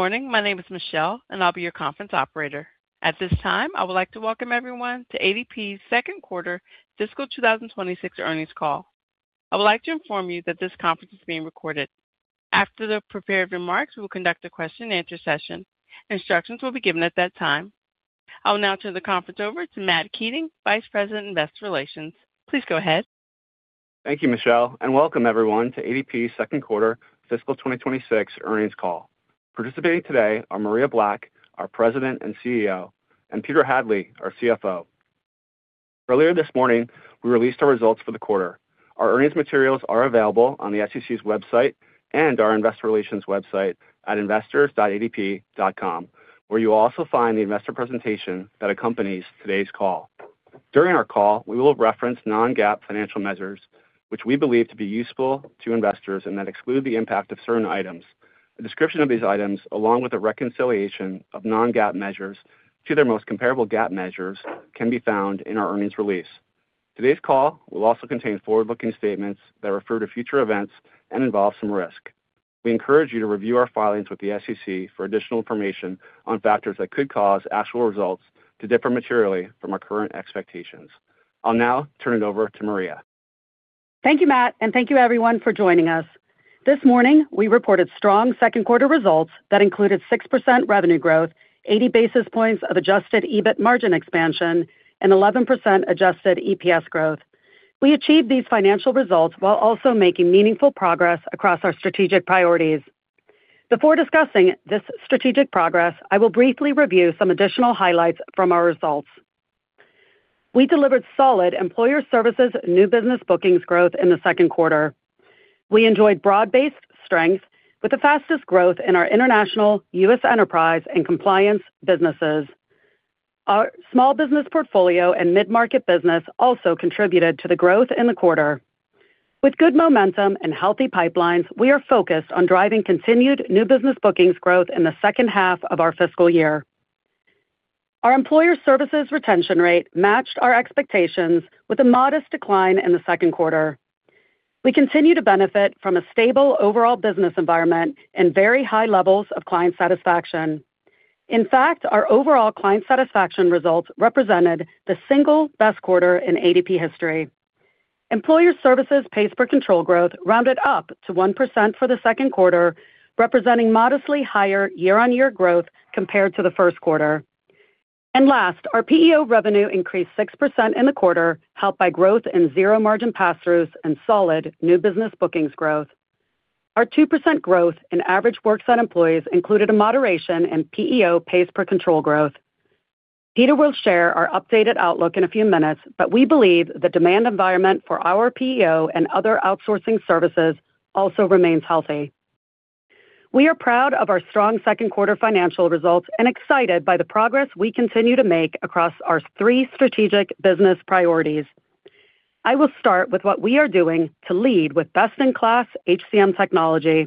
Good morning. My name is Michelle, and I'll be your conference operator. At this time, I would like to welcome everyone to ADP's second quarter fiscal 2026 earnings call. I would like to inform you that this conference is being recorded. After the prepared remarks, we will conduct a question-and-answer session. Instructions will be given at that time. I will now turn the conference over to Matt Keating, Vice President, Investor Relations. Please go ahead. Thank you, Michelle, and welcome everyone to ADP's second quarter fiscal 2026 earnings call. Participating today are Maria Black, our President and CEO, and Peter Hadley, our CFO. Earlier this morning, we released our results for the quarter. Our earnings materials are available on the SEC's website and our investor relations website at investors.adp.com, where you'll also find the investor presentation that accompanies today's call. During our call, we will reference non-GAAP financial measures, which we believe to be useful to investors and that exclude the impact of certain items. A description of these items, along with a reconciliation of non-GAAP measures to their most comparable GAAP measures, can be found in our earnings release. Today's call will also contain forward-looking statements that refer to future events and involve some risk. We encourage you to review our filings with the SEC for additional information on factors that could cause actual results to differ materially from our current expectations. I'll now turn it over to Maria. Thank you, Matt, and thank you everyone for joining us. This morning, we reported strong second quarter results that included 6% revenue growth, 80 basis points of Adjusted EBIT margin expansion, and 11% Adjusted EPS growth. We achieved these financial results while also making meaningful progress across our strategic priorities. Before discussing this strategic progress, I will briefly review some additional highlights from our results. We delivered solid Employer Services new business bookings growth in the second quarter. We enjoyed broad-based strength with the fastest growth in our international, U.S., enterprise and compliance businesses. Our small business portfolio and mid-market business also contributed to the growth in the quarter. With good momentum and healthy pipelines, we are focused on driving continued new business bookings growth in the second half of our fiscal year. Our Employer Services retention rate matched our expectations with a modest decline in the second quarter. We continue to benefit from a stable overall business environment and very high levels of client satisfaction. In fact, our overall client satisfaction results represented the single best quarter in ADP history. Employer Services pays per control growth rounded up to 1% for the second quarter, representing modestly higher year-on-year growth compared to the first quarter. And last, our PEO revenue increased 6% in the quarter, helped by growth in zero margin pass-throughs and solid new business bookings growth. Our 2% growth in average worksite employees included a moderation in PEO pays per control growth. Peter will share our updated outlook in a few minutes, but we believe the demand environment for our PEO and other outsourcing services also remains healthy. We are proud of our strong second quarter financial results and excited by the progress we continue to make across our three strategic business priorities. I will start with what we are doing to lead with best-in-class HCM technology.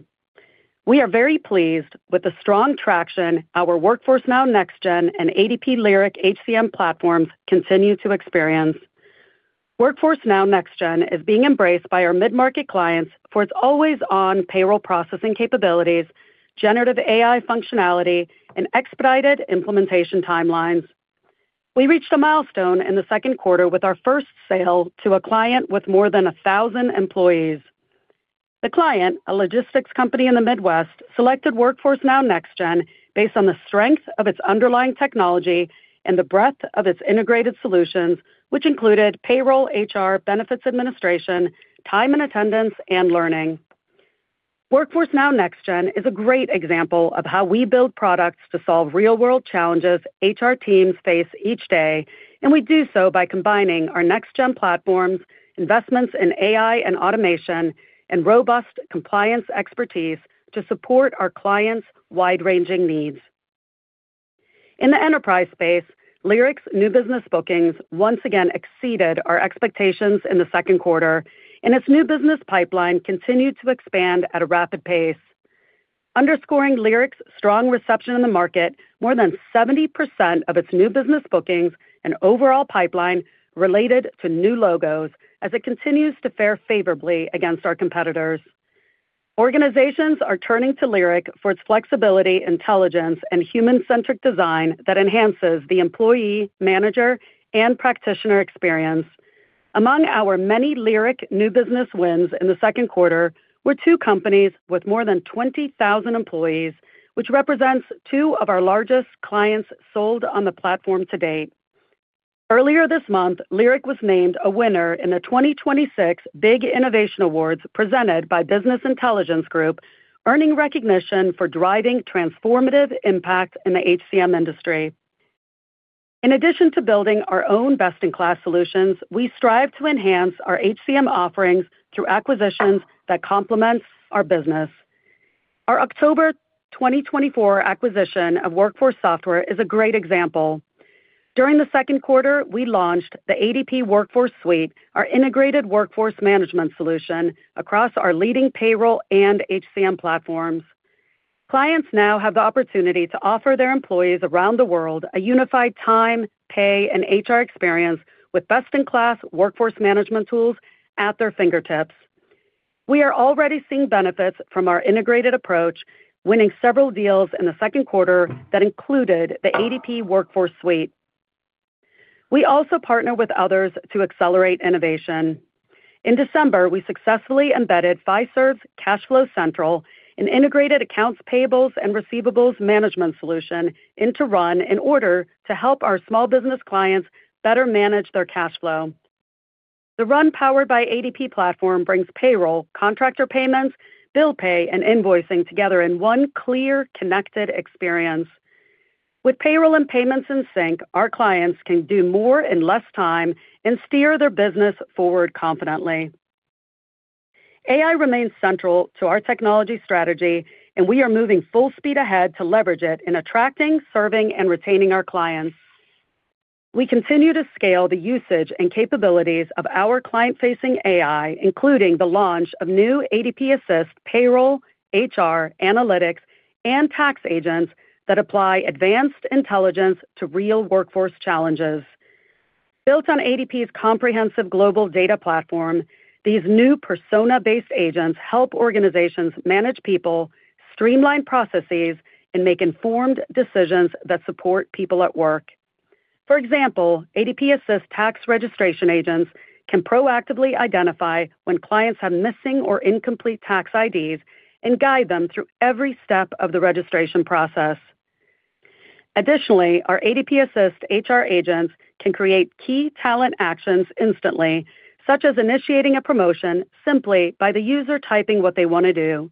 We are very pleased with the strong traction our Workforce Now Next Gen and ADP Lyric HCM platforms continue to experience. Workforce Now Next Gen is being embraced by our mid-market clients for its always-on payroll processing capabilities, generative AI functionality, and expedited implementation timelines. We reached a milestone in the second quarter with our first sale to a client with more than 1,000 employees. The client, a logistics company in the Midwest, selected Workforce Now Next Gen based on the strength of its underlying technology and the breadth of its integrated solutions, which included payroll, HR, benefits administration, time and attendance, and learning. Workforce Now Next Gen is a great example of how we build products to solve real-world challenges HR teams face each day, and we do so by combining our Next Gen platforms, investments in AI and automation, and robust compliance expertise to support our clients' wide-ranging needs. In the enterprise space, Lyric's new business bookings once again exceeded our expectations in the second quarter, and its new business pipeline continued to expand at a rapid pace. Underscoring Lyric's strong reception in the market, more than 70% of its new business bookings and overall pipeline related to new logos as it continues to fare favorably against our competitors. Organizations are turning to Lyric for its flexibility, intelligence, and human-centric design that enhances the employee, manager, and practitioner experience. Among our many Lyric new business wins in the second quarter were two companies with more than 20,000 employees, which represents two of our largest clients sold on the platform to date. Earlier this month, Lyric was named a winner in the 2026 BIG Innovation Awards, presented by Business Intelligence Group, earning recognition for driving transformative impact in the HCM industry. In addition to building our own best-in-class solutions, we strive to enhance our HCM offerings through acquisitions that complement our business. Our October 2024 acquisition of WorkForce Software is a great example. During the second quarter, we launched the ADP WorkForce Suite, our integrated workforce management solution, across our leading payroll and HCM platforms. Clients now have the opportunity to offer their employees around the world a unified time, pay, and HR experience with best-in-class workforce management tools at their fingertips. We are already seeing benefits from our integrated approach, winning several deals in the second quarter that included the ADP WorkForce Suite. We also partner with others to accelerate innovation. In December, we successfully embedded Fiserv's CashFlow Central, an integrated accounts payables and receivables management solution, into run in order to help our small business clients better manage their cash flow. The RUN Powered by ADP platform brings payroll, contractor payments, bill pay, and invoicing together in one clear, connected experience. With payroll and payments in sync, our clients can do more in less time and steer their business forward confidently. AI remains central to our technology strategy, and we are moving full speed ahead to leverage it in attracting, serving, and retaining our clients. We continue to scale the usage and capabilities of our client-facing AI, including the launch of new ADP Assist payroll, HR, analytics, and tax agents that apply advanced intelligence to real workforce challenges. Built on ADP's comprehensive global data platform, these new persona-based agents help organizations manage people, streamline processes, and make informed decisions that support people at work. For example, ADP Assist tax registration agents can proactively identify when clients have missing or incomplete tax IDs and guide them through every step of the registration process. Additionally, our ADP Assist HR agents can create key talent actions instantly, such as initiating a promotion simply by the user typing what they want to do.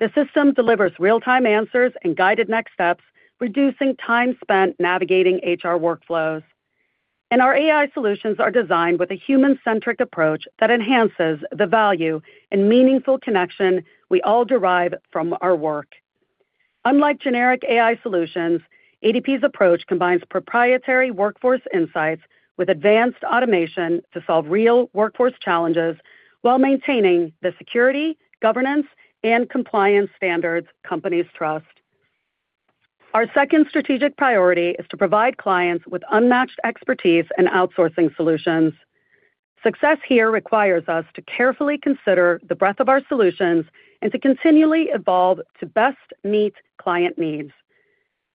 The system delivers real-time answers and guided next steps, reducing time spent navigating HR workflows. Our AI solutions are designed with a human-centric approach that enhances the value and meaningful connection we all derive from our work. Unlike generic AI solutions, ADP's approach combines proprietary workforce insights with advanced automation to solve real workforce challenges while maintaining the security, governance, and compliance standards companies trust. Our second strategic priority is to provide clients with unmatched expertise and outsourcing solutions. Success here requires us to carefully consider the breadth of our solutions and to continually evolve to best meet client needs.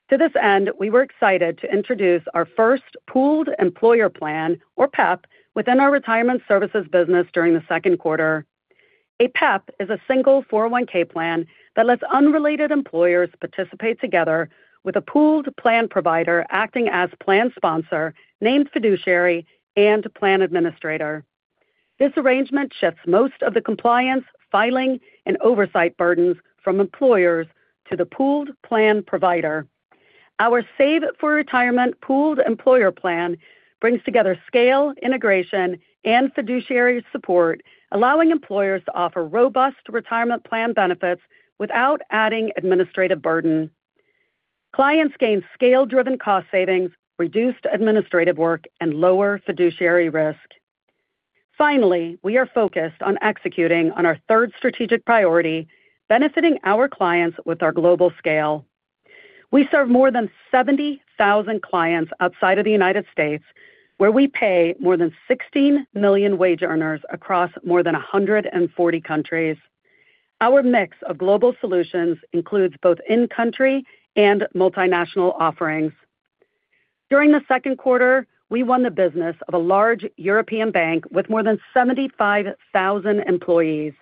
To this end, we were excited to introduce our first pooled employer plan, or PEP, within our retirement services business during the second quarter. A PEP is a single 401(k) plan that lets unrelated employers participate together with a pooled plan provider acting as plan sponsor, named fiduciary, and plan administrator. This arrangement shifts most of the compliance, filing, and oversight burdens from employers to the pooled plan provider. Our save for retirement pooled employer plan brings together scale, integration, and fiduciary support, allowing employers to offer robust retirement plan benefits without adding administrative burden. Clients gain scale-driven cost savings, reduced administrative work, and lower fiduciary risk. Finally, we are focused on executing on our third strategic priority, benefiting our clients with our global scale. We serve more than 70,000 clients outside of the United States, where we pay more than 16 million wage earners across more than 140 countries. Our mix of global solutions includes both in-country and multinational offerings. During the second quarter, we won the business of a large European bank with more than 75,000 employees.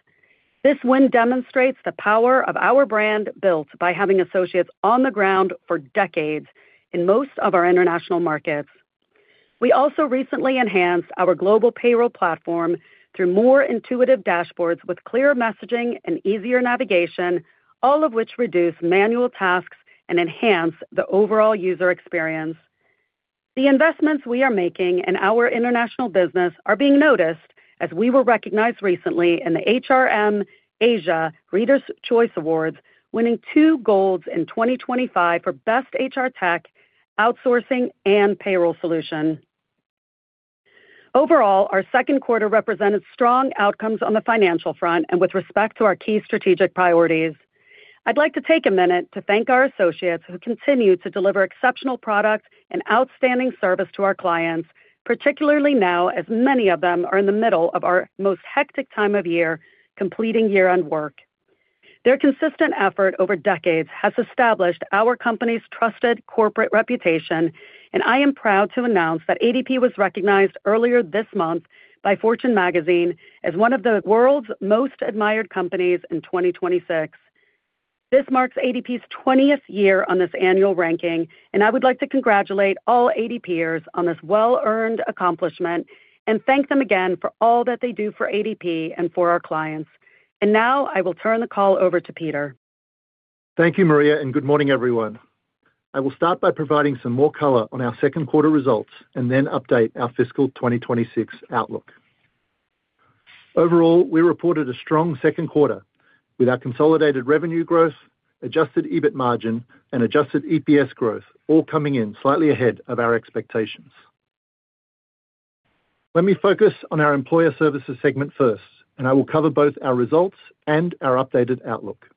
This win demonstrates the power of our brand, built by having associates on the ground for decades in most of our international markets. We also recently enhanced our global payroll platform through more intuitive dashboards with clearer messaging and easier navigation, all of which reduce manual tasks and enhance the overall user experience. The investments we are making in our international business are being noticed, as we were recognized recently in the HRM Asia Readers' Choice Awards, winning two golds in 2025 for Best HR Tech, Outsourcing, and Payroll Solution. Overall, our second quarter represented strong outcomes on the financial front and with respect to our key strategic priorities. I'd like to take a minute to thank our associates, who continue to deliver exceptional product and outstanding service to our clients, particularly now, as many of them are in the middle of our most hectic time of year, completing year-end work. Their consistent effort over decades has established our company's trusted corporate reputation, and I am proud to announce that ADP was recognized earlier this month by Fortune Magazine as one of the world's most admired companies in 2026. This marks ADP's twentieth year on this annual ranking, and I would like to congratulate all ADPers on this well-earned accomplishment and thank them again for all that they do for ADP and for our clients. Now I will turn the call over to Peter. Thank you, Maria, and good morning, everyone. I will start by providing some more color on our second quarter results and then update our fiscal 2026 outlook. Overall, we reported a strong second quarter with our consolidated revenue growth, Adjusted EBIT margin, and Adjusted EPS growth, all coming in slightly ahead of our expectations. Let me focus on our Employer Services segment first, and I will cover both our results and our updated outlook.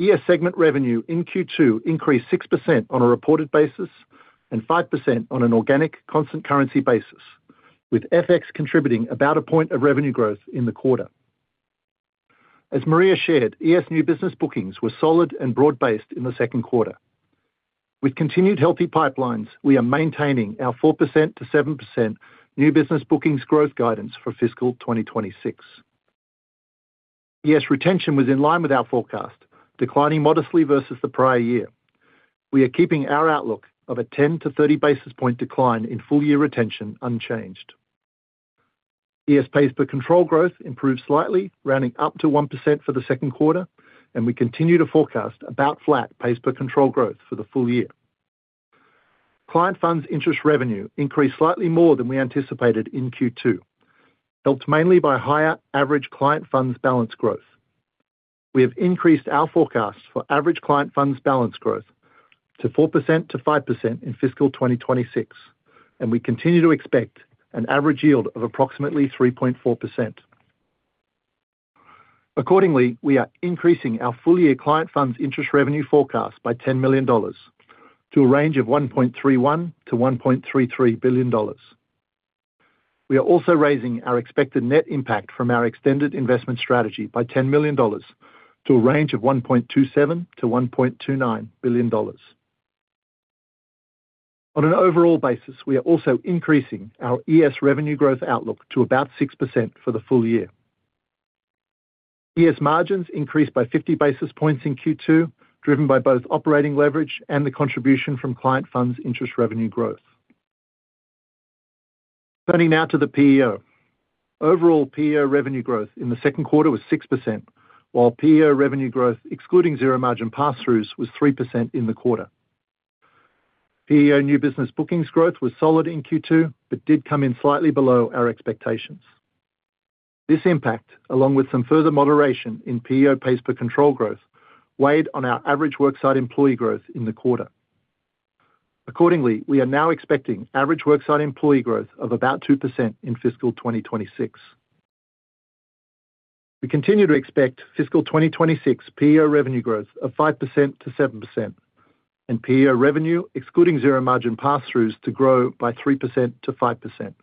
ES segment revenue in Q2 increased 6% on a reported basis and 5% on an organic constant currency basis, with FX contributing about a point of revenue growth in the quarter. As Maria shared, ES new business bookings were solid and broad-based in the second quarter. With continued healthy pipelines, we are maintaining our 4%-7% new business bookings growth guidance for fiscal 2026. ES retention was in line with our forecast, declining modestly versus the prior year. We are keeping our outlook of a 10-30 basis point decline in full-year retention unchanged. ES pays per control growth improved slightly, rounding up to 1% for the second quarter, and we continue to forecast about flat pays per control growth for the full year. Client funds interest revenue increased slightly more than we anticipated in Q2, helped mainly by higher average client funds balance growth. We have increased our forecast for average client funds balance growth to 4%-5% in fiscal 2026, and we continue to expect an average yield of approximately 3.4%. Accordingly, we are increasing our full-year client funds interest revenue forecast by $10 million, to a range of $1.31-$1.33 billion. We are also raising our expected net impact from our extended investment strategy by $10 million to a range of $1.27 billion-$1.29 billion. On an overall basis, we are also increasing our ES revenue growth outlook to about 6% for the full year. ES margins increased by 50 basis points in Q2, driven by both operating leverage and the contribution from client funds interest revenue growth. Turning now to the PEO. Overall, PEO revenue growth in the second quarter was 6%, while PEO revenue growth, excluding zero margin pass-throughs, was 3% in the quarter. PEO new business bookings growth was solid in Q2, but did come in slightly below our expectations. This impact, along with some further moderation in PEO pays per control growth, weighed on our average worksite employees growth in the quarter. Accordingly, we are now expecting average worksite employee growth of about 2% in fiscal 2026. We continue to expect fiscal 2026 PEO revenue growth of 5%-7%, and PEO revenue, excluding zero-margin pass-throughs, to grow by 3%-5%.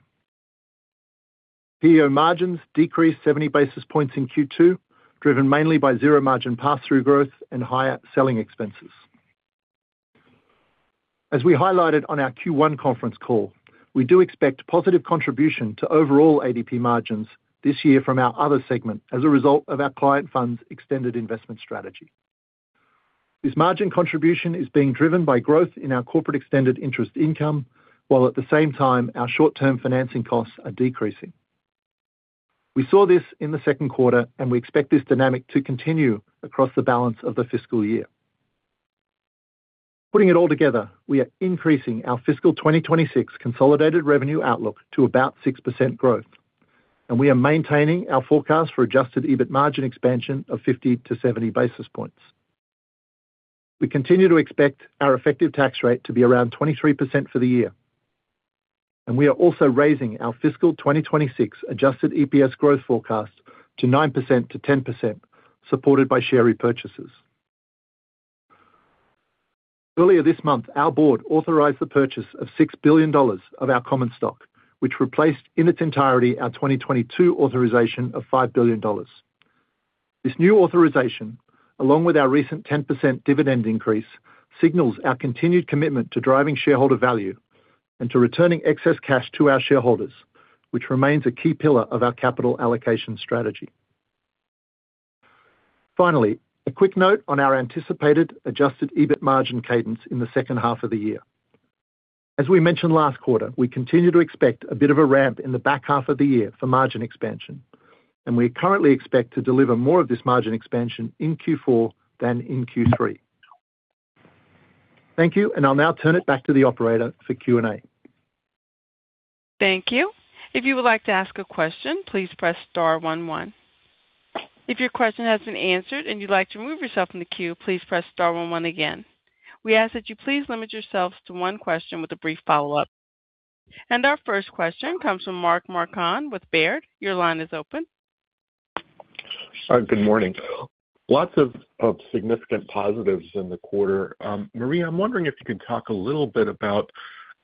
PEO margins decreased 70 basis points in Q2, driven mainly by zero-margin pass-through growth and higher selling expenses. As we highlighted on our Q1 conference call, we do expect positive contribution to overall ADP margins this year from our other segment as a result of our client funds extended investment strategy. This margin contribution is being driven by growth in our corporate extended interest income, while at the same time, our short-term financing costs are decreasing. We saw this in the second quarter, and we expect this dynamic to continue across the balance of the fiscal year. Putting it all together, we are increasing our fiscal 2026 consolidated revenue outlook to about 6% growth, and we are maintaining our forecast for Adjusted EBIT margin expansion of 50-70 basis points. We continue to expect our effective tax rate to be around 23% for the year, and we are also raising our fiscal 2026 Adjusted EPS growth forecast to 9%-10%, supported by share repurchases. Earlier this month, our board authorized the purchase of $6 billion of our common stock, which replaced, in its entirety, our 2022 authorization of $5 billion. This new authorization, along with our recent 10% dividend increase, signals our continued commitment to driving shareholder value and to returning excess cash to our shareholders, which remains a key pillar of our capital allocation strategy. Finally, a quick note on our anticipated Adjusted EBIT margin cadence in the second half of the year. As we mentioned last quarter, we continue to expect a bit of a ramp in the back half of the year for margin expansion, and we currently expect to deliver more of this margin expansion in Q4 than in Q3. Thank you, and I'll now turn it back to the operator for Q&A. Thank you. If you would like to ask a question, please press star one one. If your question has been answered and you'd like to remove yourself from the queue, please press star one one again. We ask that you please limit yourselves to one question with a brief follow-up. Our first question comes from Mark Marcon with Baird. Your line is open. Good morning. Lots of significant positives in the quarter. Maria, I'm wondering if you could talk a little bit about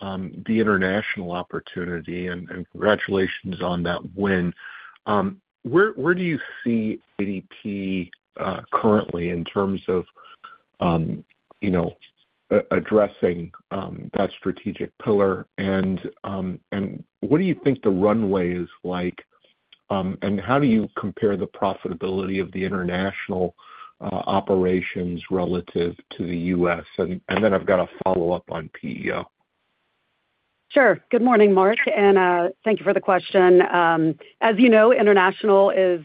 the international opportunity, and congratulations on that win. Where do you see ADP currently in terms of, you know, addressing that strategic pillar? And what do you think the runway is like, and how do you compare the profitability of the international operations relative to the U.S.? And then I've got a follow-up on PEO. Sure. Good morning, Mark, and thank you for the question. As you know, international is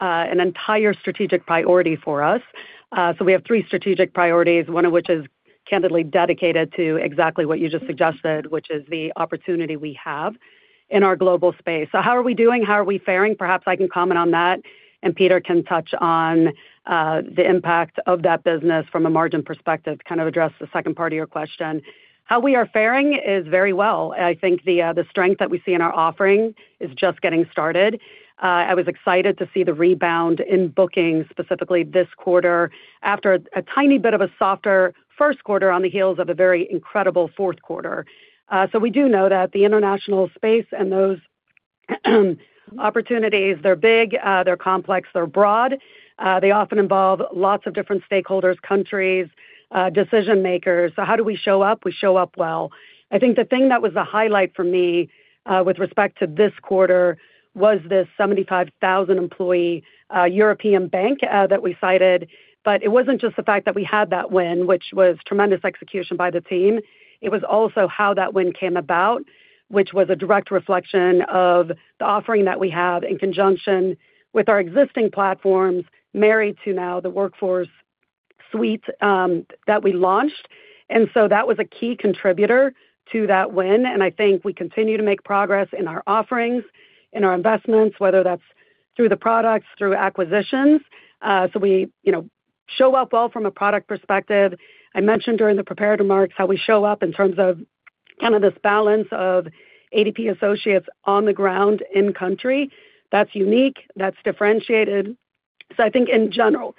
an entire strategic priority for us. So we have three strategic priorities, one of which is candidly dedicated to exactly what you just suggested, which is the opportunity we have in our global space. So how are we doing? How are we faring? Perhaps I can comment on that, and Peter can touch on the impact of that business from a margin perspective, kind of address the second part of your question. How we are faring is very well. I think the strength that we see in our offering is just getting started. I was excited to see the rebound in bookings, specifically this quarter, after a tiny bit of a softer first quarter on the heels of a very incredible fourth quarter. So we do know that the international space and those- -opportunities, they're big, they're complex, they're broad. They often involve lots of different stakeholders, countries, decision makers. So how do we show up? We show up well. I think the thing that was the highlight for me, with respect to this quarter, was this 75,000 employee, European bank, that we cited. But it wasn't just the fact that we had that win, which was tremendous execution by the team, it was also how that win came about, which was a direct reflection of the offering that we have in conjunction with our existing platforms, married to now the Workforce Suite, that we launched. And so that was a key contributor to that win, and I think we continue to make progress in our offerings, in our investments, whether that's through the products, through acquisitions. So we, you know, show up well from a product perspective. I mentioned during the prepared remarks how we show up in terms of kind of this balance of ADP associates on the ground, in country. That's unique, that's differentiated. So I think in general,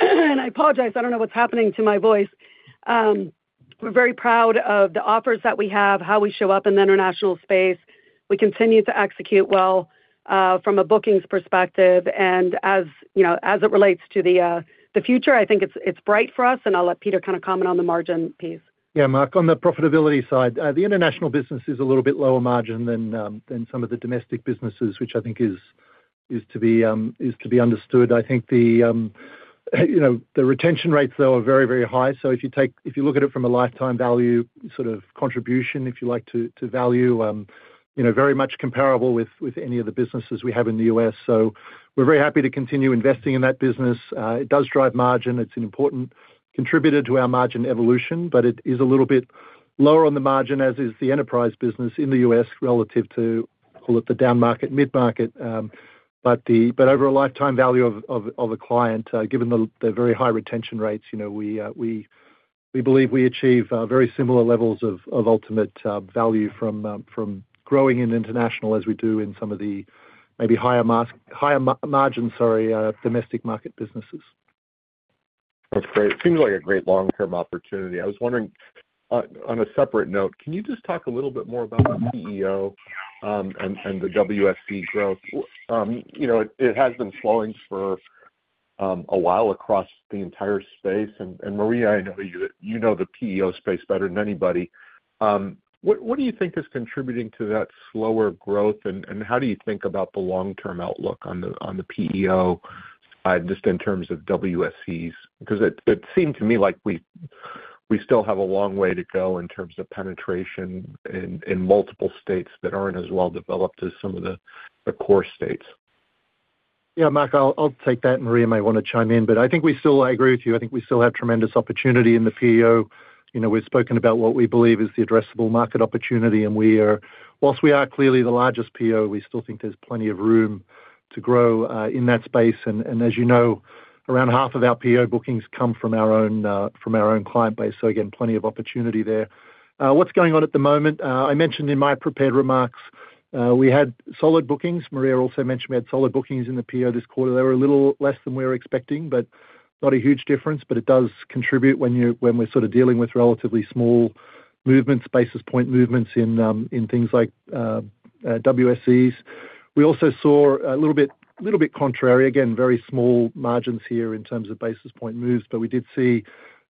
and I apologize, I don't know what's happening to my voice. We're very proud of the offers that we have, how we show up in the international space. We continue to execute well from a bookings perspective. And as, you know, as it relates to the, the future, I think it's, it's bright for us, and I'll let Peter kind of comment on the margin piece. Yeah, Mark, on the profitability side, the international business is a little bit lower margin than some of the domestic businesses, which I think is to be understood. I think you know, the retention rates, though, are very, very high. So if you look at it from a lifetime value, sort of contribution, if you like to value, you know, very much comparable with any of the businesses we have in the U.S. So we're very happy to continue investing in that business. It does drive margin. It's an important contributor to our margin evolution, but it is a little bit lower on the margin, as is the enterprise business in the U.S., relative to, call it, the down market, mid-market. But over a lifetime value of a client, given the very high retention rates, you know, we believe we achieve very similar levels of ultimate value from growing in international as we do in some of the maybe higher margin domestic market businesses. That's great. It seems like a great long-term opportunity. I was wondering, on a separate note, can you just talk a little bit more about PEO, and the WSE growth? You know, it has been slowing for a while across the entire space, and Maria, I know you know the PEO space better than anybody. What do you think is contributing to that slower growth, and how do you think about the long-term outlook on the PEO, just in terms of WSEs? Because it seemed to me like we still have a long way to go in terms of penetration in multiple states that aren't as well developed as some of the core states. Yeah, Mark, I'll, I'll take that, and Maria might wanna chime in, but I think we still, I agree with you. I think we still have tremendous opportunity in the PEO. You know, we've spoken about what we believe is the addressable market opportunity, and we are, whilst we are clearly the largest PEO, we still think there's plenty of room to grow in that space. And, and as you know, around half of our PEO bookings come from our own, from our own client base. So again, plenty of opportunity there. What's going on at the moment? I mentioned in my prepared remarks, "we had solid bookings. Maria also mentioned we had solid bookings in the PEO this quarter. They were a little less than we were expecting, but not a huge difference, but it does contribute when we're sort of dealing with relatively small movements, basis point movements in things like WSEs. We also saw a little bit, little bit contrary, again, very small margins here in terms of basis point moves, but we did see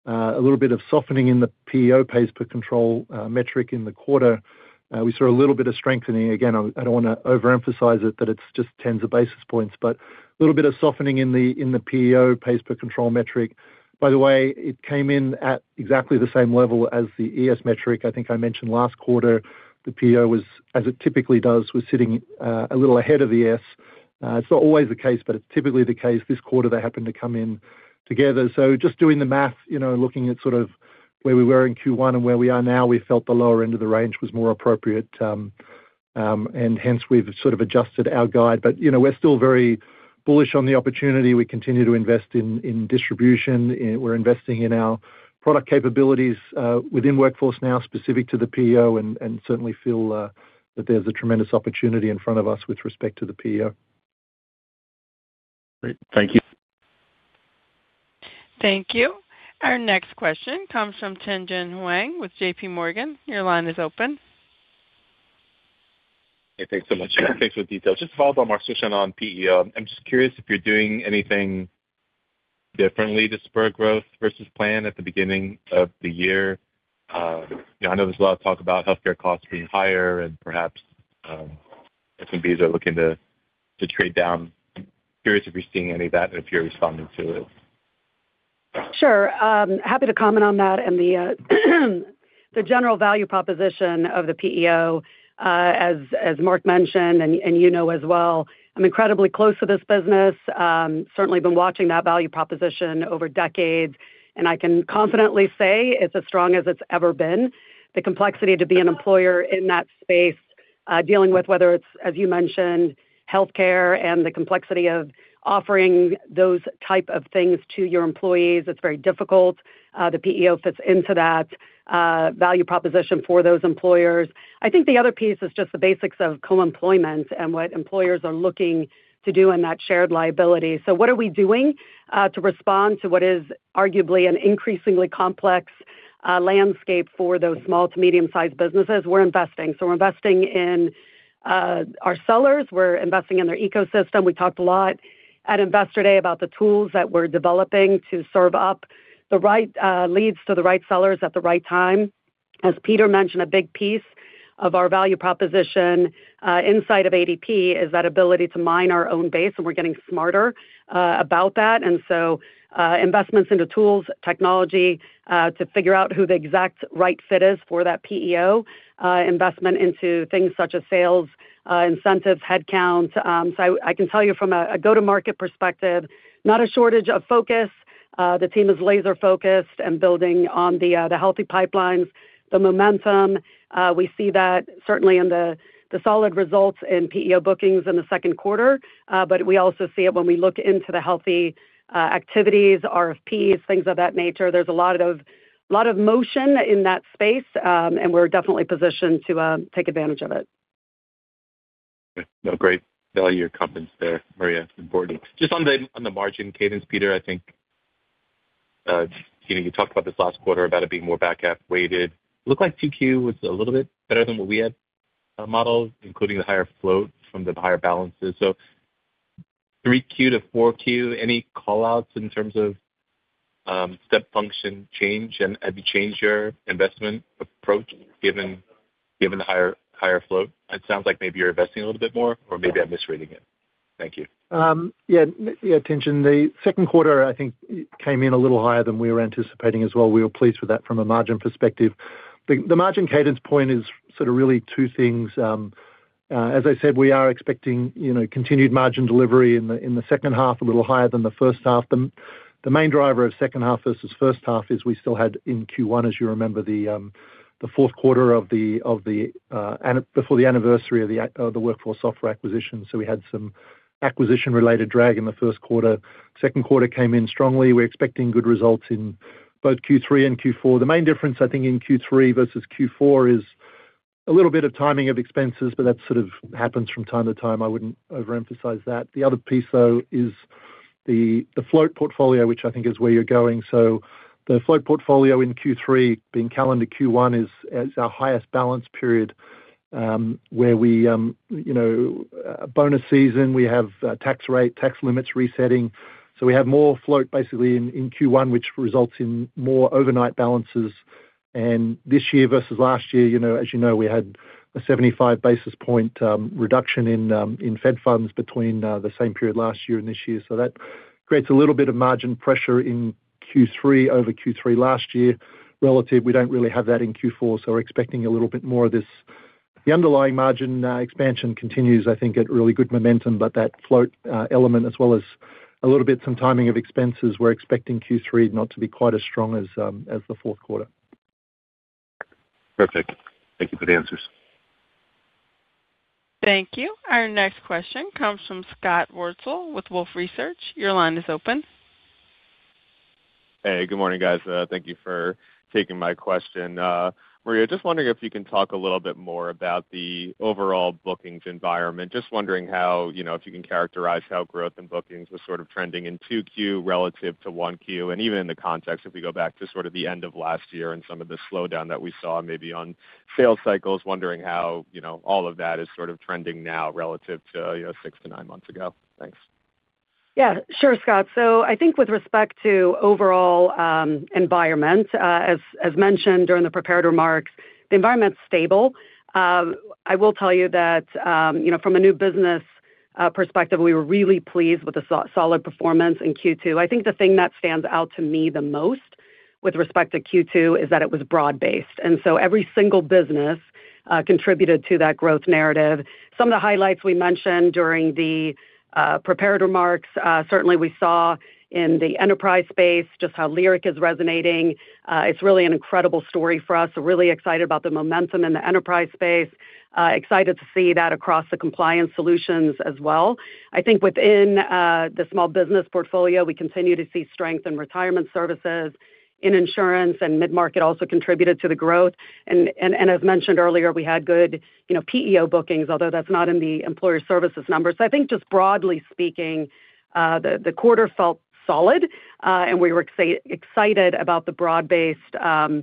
a little bit of softening in the PEO pays per control metric in the quarter. We saw a little bit of strengthening. Again, I don't wanna overemphasize it, but it's just tens of basis points, but a little bit of softening in the PEO pays per control metric. By the way, it came in at exactly the same level as the ES metric. I think I mentioned last quarter, the PEO was, as it typically does, sitting a little ahead of the S. It's not always the case, but it's typically the case. This quarter, they happened to come in together. So just doing the math, you know, looking at sort of where we were in Q1 and where we are now, we felt the lower end of the range was more appropriate, and hence, we've sort of adjusted our guide. But, you know, we're still very bullish on the opportunity. We continue to invest in distribution. We're investing in our product capabilities within Workforce Now, specific to the PEO, and certainly feel that there's a tremendous opportunity in front of us with respect to the PEO. Great. Thank you. Thank you. Our next question comes from Tien-tsin Huang with J.P. Morgan. Your line is open. Hey, thanks so much. Thanks for the details. Just to follow up on Mark's question on PEO, I'm just curious if you're doing anything differently to spur growth versus plan at the beginning of the year. You know, I know there's a lot of talk about healthcare costs being higher and perhaps SMBs are looking to trade down. Curious if you're seeing any of that, and if you're responding to it. Sure, happy to comment on that and the, the general value proposition of the PEO. As, as Mark mentioned, and, and you know as well, I'm incredibly close to this business, certainly been watching that value proposition over decades, and I can confidently say it's as strong as it's ever been. The complexity to be an employer in that space, dealing with, whether it's, as you mentioned, healthcare and the complexity of offering those type of things to your employees, it's very difficult. The PEO fits into that, value proposition for those employers. I think the other piece is just the basics of co-employment and what employers are looking to do in that shared liability. So what are we doing, to respond to what is arguably an increasingly complex landscape for those small to medium-sized businesses, we're investing. So we're investing in our sellers, we're investing in their ecosystem. We talked a lot at Investor Day about the tools that we're developing to serve up the right leads to the right sellers at the right time. As Peter mentioned, a big piece of our value proposition inside of ADP is that ability to mine our own base, and we're getting smarter about that. So investments into tools, technology to figure out who the exact right fit is for that PEO, investment into things such as sales incentives, headcount. So I can tell you from a go-to-market perspective, not a shortage of focus. The team is laser-focused and building on the healthy pipelines, the momentum. We see that certainly in the solid results in PEO bookings in the second quarter. But we also see it when we look into the healthy activities, RFPs, things of that nature. There's a lot of, lot of motion in that space, and we're definitely positioned to take advantage of it. No, great value comments there, Maria, importantly. Just on the, on the margin cadence, Peter, I think, you know, you talked about this last quarter about it being more back half weighted. Looked like 2Q was a little bit better than what we had, modeled, including the higher float from the higher balances. So 3Q to 4Q, any call-outs in terms of, step function change? And have you changed your investment approach given, given the higher, higher float? It sounds like maybe you're investing a little bit more, or maybe I'm misreading it. Thank you. Yeah, yeah, Tien-tsin. The second quarter, I think, came in a little higher than we were anticipating as well. We were pleased with that from a margin perspective. The margin cadence point is sort of really two things. As I said, we are expecting, you know, continued margin delivery in the second half, a little higher than the first half. The main driver of second half versus first half is we still had in Q1, as you remember, the fourth quarter before the anniversary of the WorkForce Software acquisition. So we had some acquisition-related drag in the first quarter. Second quarter came in strongly. We're expecting good results in both Q3 and Q4. The main difference, I think, in Q3 versus Q4 is a little bit of timing of expenses, but that sort of happens from time to time. I wouldn't overemphasize that. The other piece, though, is the float portfolio, which I think is where you're going. So the float portfolio in Q3, being calendar Q1, is our highest balance period, where we, you know, bonus season, we have tax rate, tax limits resetting. So we have more float, basically, in Q1, which results in more overnight balances. And this year versus last year, you know, as you know, we had a 75 basis point reduction in Fed funds between the same period last year and this year. So that creates a little bit of margin pressure in Q3 over Q3 last year. Relatively, we don't really have that in Q4, so we're expecting a little bit more of this. The underlying margin expansion continues, I think, at really good momentum, but that float element, as well as a little bit some timing of expenses, we're expecting Q3 not to be quite as strong as the fourth quarter. Perfect. Thank you for the answers. Thank you. Our next question comes from Scott Wurtzel with Wolfe Research. Your line is open. Hey, good morning, guys. Thank you for taking my question. Maria, just wondering if you can talk a little bit more about the overall bookings environment. Just wondering how, you know, if you can characterize how growth in bookings was sort of trending in 2Q relative to 1Q, and even in the context, if we go back to sort of the end of last year and some of the slowdown that we saw maybe on sales cycles, wondering how, you know, all of that is sort of trending now relative to, you know, six to nine months ago. Thanks. Yeah, sure, Scott. So I think with respect to overall environment, as mentioned during the prepared remarks, the environment's stable. I will tell you that, you know, from a new business perspective, we were really pleased with the solid performance in Q2. I think the thing that stands out to me the most with respect to Q2 is that it was broad-based, and so every single business contributed to that growth narrative. Some of the highlights we mentioned during the prepared remarks, certainly we saw in the enterprise space, just how Lyric is resonating. It's really an incredible story for us, so really excited about the momentum in the enterprise space. Excited to see that across the compliance solutions as well. I think within the small business portfolio, we continue to see strength in retirement services, in insurance, and mid-market also contributed to the growth, and as mentioned earlier, we had good, you know, PEO bookings, although that's not in the employer services numbers. I think just broadly speaking, the quarter felt solid, and we were excited about the broad-based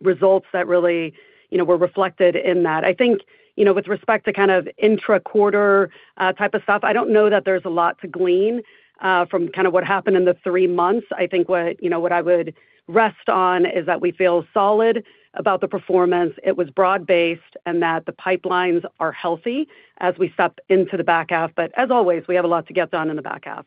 results that really, you know, were reflected in that. I think, you know, with respect to kind of intra-quarter type of stuff, I don't know that there's a lot to glean from kind of what happened in the three months. I think what, you know, what I would rest on is that we feel solid about the performance, it was broad-based, and that the pipelines are healthy as we step into the back half. But as always, we have a lot to get done in the back half.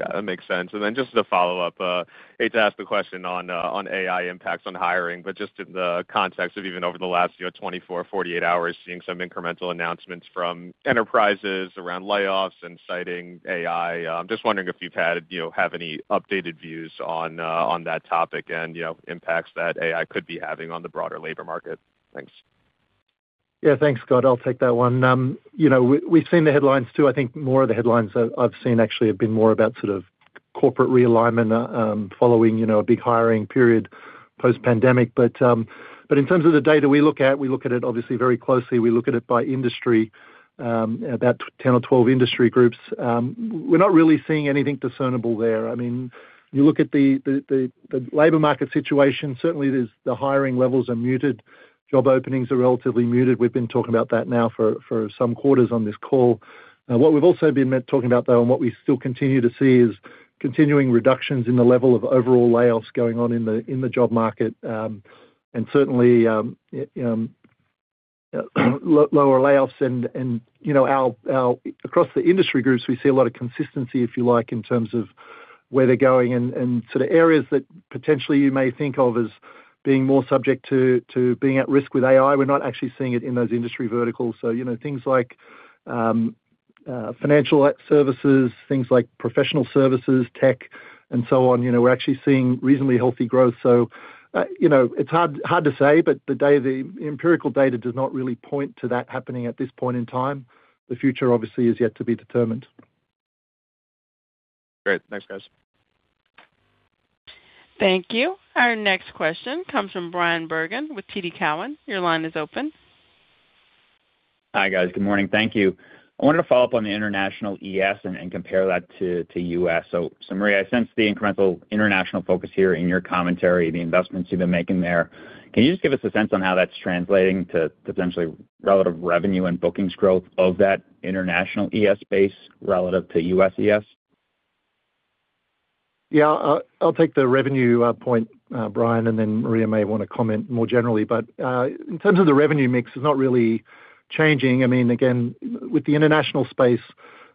Yeah, that makes sense. And then just as a follow-up, hate to ask the question on, on AI impacts on hiring, but just in the context of even over the last, you know, 24, 48 hours, seeing some incremental announcements from enterprises around layoffs and citing AI, just wondering if you've had, you know, have any updated views on, on that topic and, you know, impacts that AI could be having on the broader labor market. Thanks. Yeah, thanks, Scott. I'll take that one. You know, we've seen the headlines, too. I think more of the headlines that I've seen actually have been more about sort of corporate realignment following, you know, a big hiring period post pandemic. But in terms of the data we look at, we look at it obviously very closely. We look at it by industry, about 10 or 12 industry groups. We're not really seeing anything discernible there. I mean, you look at the labor market situation. Certainly, the hiring levels are muted. Job openings are relatively muted. We've been talking about that now for some quarters on this call. What we've also been meant talking about, though, and what we still continue to see is continuing reductions in the level of overall layoffs going on in the job market, and certainly, lower layoffs and, you know, our across the industry groups, we see a lot of consistency, if you like, in terms of where they're going and sort of areas that potentially you may think of as being more subject to being at risk with AI. We're not actually seeing it in those industry verticals. So, you know, things like financial services, things like professional services, tech, and so on, you know, we're actually seeing reasonably healthy growth. So, you know, it's hard to say, but the data, the empirical data does not really point to that happening at this point in time. The future, obviously, is yet to be determined. Great. Thanks, guys. Thank you. Our next question comes from Bryan Bergin with TD Cowen. Your line is open. Hi, guys. Good morning. Thank you. I wanted to follow up on the international ES and compare that to US. So Maria, I sense the incremental international focus here in your commentary, the investments you've been making there. Can you just give us a sense on how that's translating to potentially relative revenue and bookings growth of that international ES base relative to U.S. ES? Yeah, I'll, I'll take the revenue, point, Bryan, and then Maria may want to comment more generally. But, in terms of the revenue mix, it's not really changing. I mean, again, with the international space,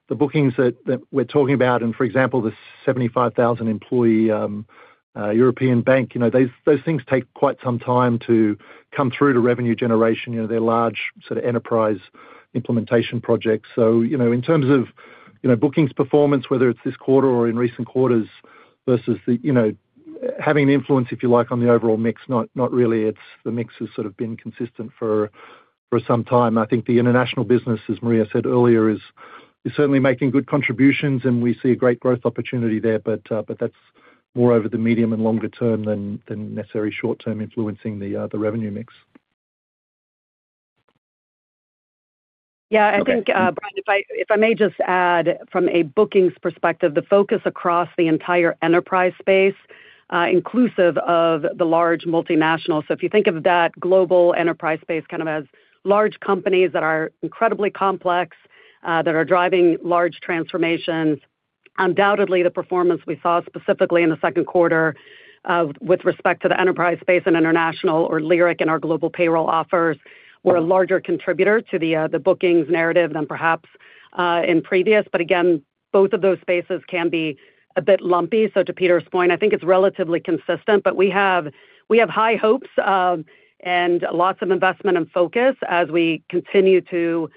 the bookings that, that we're talking about, and for example, the 75,000-employee European bank, you know, those, those things take quite some time to come through to revenue generation. You know, they're large sort of enterprise implementation projects. So, you know, in terms of, you know, bookings performance, whether it's this quarter or in recent quarters versus the, you know, having an influence, if you like, on the overall mix, not, not really. It's the mix has sort of been consistent for, for some time. I think the international business, as Maria said earlier, is, is certainly making good contributions, and we see a great growth opportunity there. But that's more over the medium and longer term than necessarily short term influencing the revenue mix. Yeah, I think, Bryan, if I may just add from a bookings perspective, the focus across the entire enterprise space, inclusive of the large multinationals. So if you think of that global enterprise space kind of as large companies that are incredibly complex, that are driving large transformations, undoubtedly the performance we saw, specifically in the second quarter, with respect to the enterprise space and international or Lyric and our global payroll offers, were a larger contributor to the bookings narrative than perhaps in previous. But again, both of those spaces can be a bit lumpy. So to Peter's point, I think it's relatively consistent, but we have, we have high hopes, and lots of investment and focus as we continue to,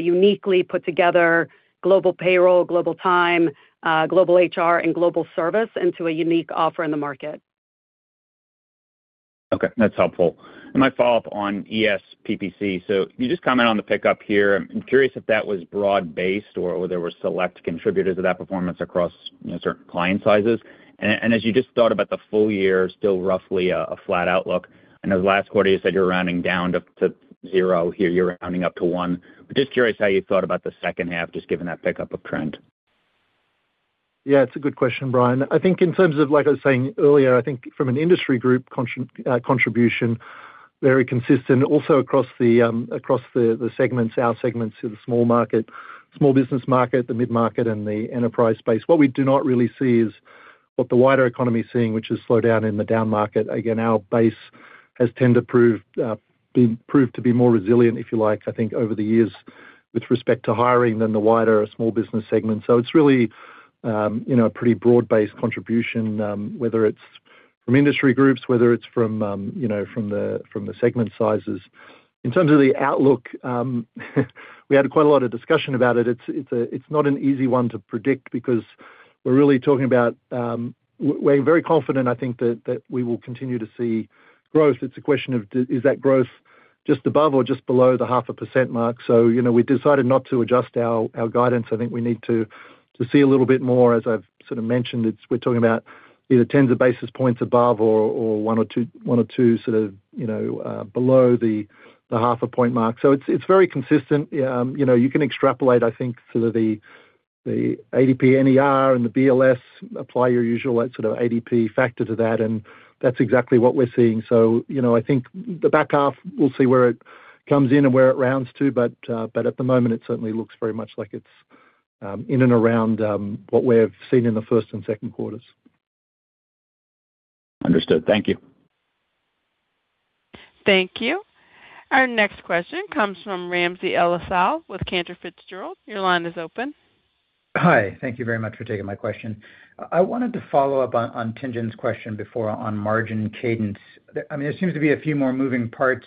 uniquely put together global payroll, global time, global HR, and global service into a unique offer in the market. Okay, that's helpful. I might follow up on ES PPC. So you just comment on the pickup here. I'm curious if that was broad-based or there were select contributors to that performance across, you know, certain client sizes. And as you just thought about the full year, still roughly a flat outlook. I know last quarter you said you were rounding down to zero. Here, you're rounding up to one. But just curious how you thought about the second half, just given that pickup of trend. Yeah, it's a good question, Bryan. I think in terms of, like I was saying earlier, I think from an industry group contribution, very consistent. Also, across the, across the, the segments, our segments to the small market, small business market, the mid-market, and the enterprise space. What we do not really see is what the wider economy is seeing, which is slowdown in the down market. Again, our base has tend to prove, been proved to be more resilient, if you like, I think, over the years with respect to hiring than the wider small business segment. So it's really, you know, a pretty broad-based contribution, whether it's from industry groups, whether it's from, you know, from the, from the segment sizes. In terms of the outlook, we had quite a lot of discussion about it. It's not an easy one to predict because we're really talking about. We're very confident, I think, that we will continue to see growth. It's a question of is that growth just above or just below the 0.5% mark? So, you know, we decided not to adjust our guidance. I think we need to see a little bit more, as I've sort of mentioned, we're talking about either tens of basis points above or one or two below the 0.5-point mark. So it's very consistent. You know, you can extrapolate, I think, sort of the ADP NER and the BLS, apply your usual sort of ADP factor to that, and that's exactly what we're seeing. So, you know, I think the back half, we'll see where it comes in and where it rounds to, but at the moment, it certainly looks very much like it's in and around what we have seen in the first and second quarters. Understood. Thank you. Thank you. Our next question comes from Ramsey El-Assal with Cantor Fitzgerald. Your line is open. Hi, thank you very much for taking my question. I wanted to follow up on Tien-tsin's question before on margin cadence. I mean, there seems to be a few more moving parts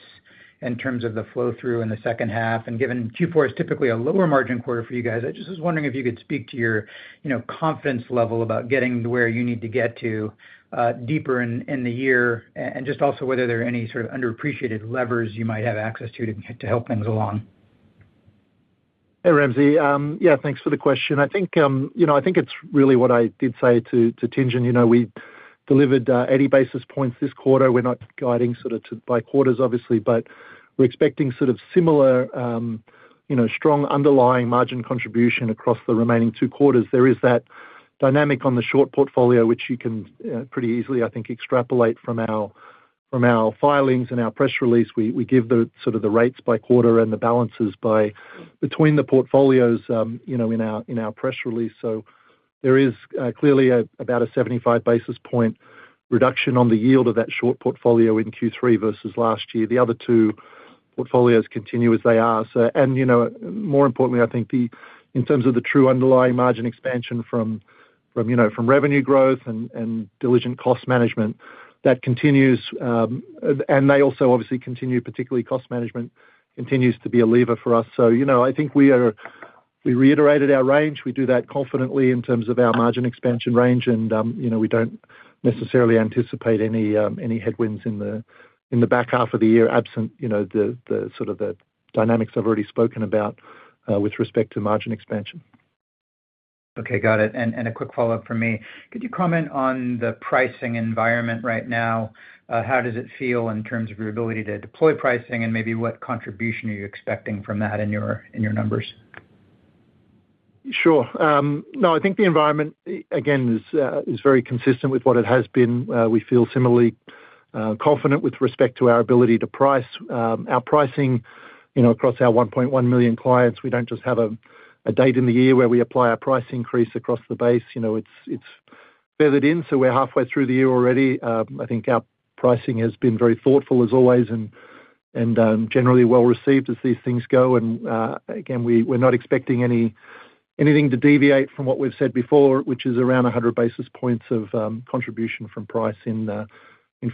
in terms of the flow-through in the second half, and given Q4 is typically a lower margin quarter for you guys, I just was wondering if you could speak to your, you know, confidence level about getting to where you need to get to deeper in the year. And just also whether there are any sort of underappreciated levers you might have access to, to help things along? Hey, Ramsey. Yeah, thanks for the question. I think, you know, I think it's really what I did say to Tien-tsin. You know, we delivered 80 basis points this quarter. We're not guiding sort of to by quarters, obviously, but we're expecting sort of similar, you know, strong underlying margin contribution across the remaining two quarters. There is that dynamic on the short portfolio, which you can pretty easily, I think, extrapolate from our filings and our press release. We give the sort of the rates by quarter and the balances by between the portfolios, you know, in our press release. So there is clearly about a 75 basis point reduction on the yield of that short portfolio in Q3 versus last year. The other two portfolios continue as they are. And, you know, more importantly, I think the, in terms of the true underlying margin expansion from, you know, from revenue growth and diligent cost management, that continues, and they also obviously continue, particularly cost management continues to be a lever for us. So, you know, I think we reiterated our range. We do that confidently in terms of our margin expansion range, and, you know, we don't necessarily anticipate any any headwinds in the, in the back half of the year, absent, you know, the, the sort of the dynamics I've already spoken about, with respect to margin expansion. Okay, got it. And a quick follow-up from me. Could you comment on the pricing environment right now? How does it feel in terms of your ability to deploy pricing, and maybe what contribution are you expecting from that in your numbers? Sure. No, I think the environment, again, is very consistent with what it has been. We feel similarly confident with respect to our ability to price. Our pricing, you know, across our 1.1 million clients, we don't just have a date in the year where we apply our price increase across the base. You know, it's feathered in, so we're halfway through the year already. I think our pricing has been very thoughtful as always and generally well-received as these things go. Again, we're not expecting anything to deviate from what we've said before, which is around 100 basis points of contribution from price in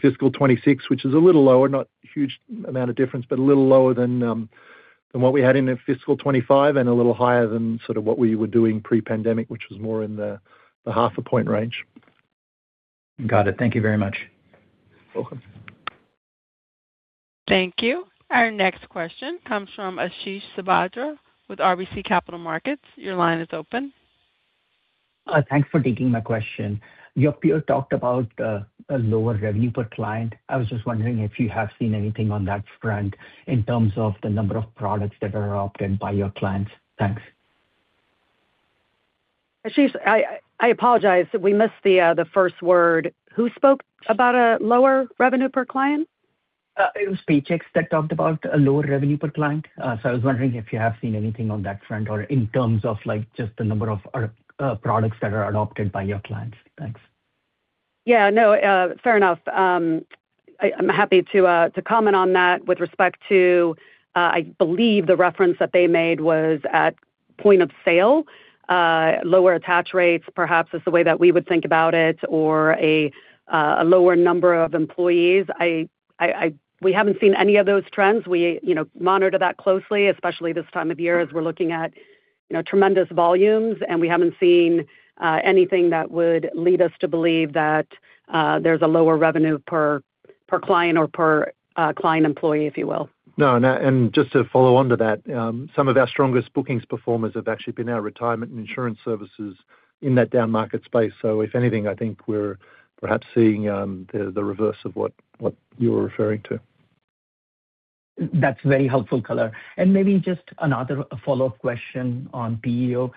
fiscal 2026, which is a little lower, not huge amount of difference, but a little lower than what we had in fiscal 2025 and a little higher than sort of what we were doing pre-pandemic, which was more in the 0.5-point range. Got it. Thank you very much. Welcome. Thank you. Our next question comes from Ashish Sabadra with RBC Capital Markets. Your line is open. Thanks for taking my question. Your peer talked about a lower revenue per client. I was just wondering if you have seen anything on that front in terms of the number of products that are opted by your clients. Thanks. Ashish, I apologize. We missed the first word. Who spoke about a lower revenue per client? It was Paychex that talked about a lower revenue per client. So I was wondering if you have seen anything on that front or in terms of, like, just the number of products that are adopted by your clients. Thanks. Yeah, no, fair enough. I'm happy to comment on that with respect to, I believe the reference that they made was at point of sale, lower attach rates, perhaps is the way that we would think about it, or a lower number of employees. We haven't seen any of those trends. We, you know, monitor that closely, especially this time of year, as we're looking at, you know, tremendous volumes, and we haven't seen anything that would lead us to believe that, there's a lower revenue per client or per client employee, if you will. No, and just to follow on to that, some of our strongest bookings performers have actually been our retirement and insurance services in that downmarket space. So if anything, I think we're perhaps seeing the reverse of what you were referring to. That's very helpful color. And maybe just another follow-up question on PEO.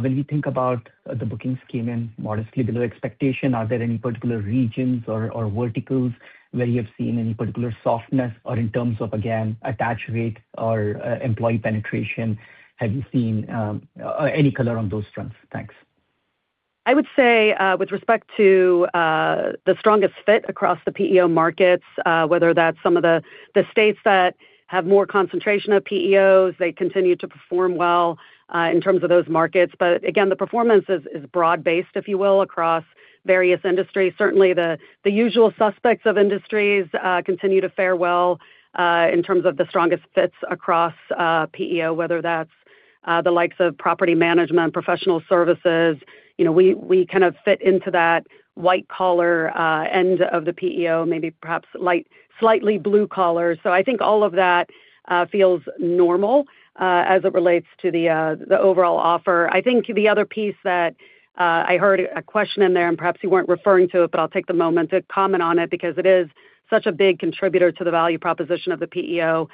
When you think about the bookings came in modestly below expectation, are there any particular regions or verticals where you have seen any particular softness, or in terms of, again, attach rate or employee penetration, have you seen any color on those fronts? Thanks. I would say, with respect to, the strongest fit across the PEO markets, whether that's some of the, the states that have more concentration of PEOs, they continue to perform well, in terms of those markets. But again, the performance is broad-based, if you will, across various industries. Certainly, the usual suspects of industries continue to fare well, in terms of the strongest fits across PEO, whether that's the likes of property management, professional services. You know, we kind of fit into that white collar end of the PEO, maybe perhaps slightly blue collar. So I think all of that feels normal, as it relates to the overall offer. I think the other piece that, I heard a question in there, and perhaps you weren't referring to it, but I'll take the moment to comment on it, because it is such a big contributor to the value proposition of the PEO,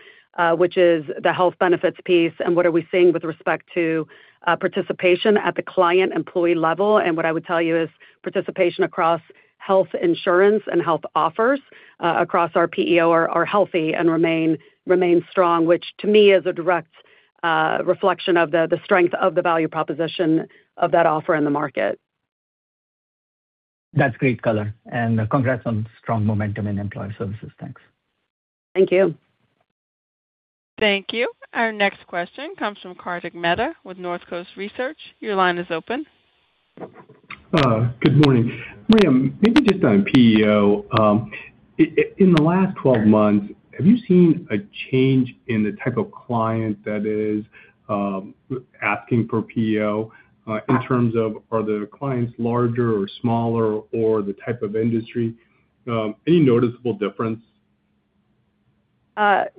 which is the health benefits piece, and what are we seeing with respect to, participation at the client-employee level. And what I would tell you is participation across health insurance and health offers, across our PEO are healthy and remain strong, which to me is a direct reflection of the strength of the value proposition of that offer in the market. That's great color, and congrats on strong momentum in Employer Services. Thanks. Thank you. Thank you. Our next question comes from Kartik Mehta with North Coast Research. Your line is open. Good morning. Maria, maybe just on PEO. In the last 12 months, have you seen a change in the type of client that is asking for PEO, in terms of, are the clients larger or smaller, or the type of industry, any noticeable difference?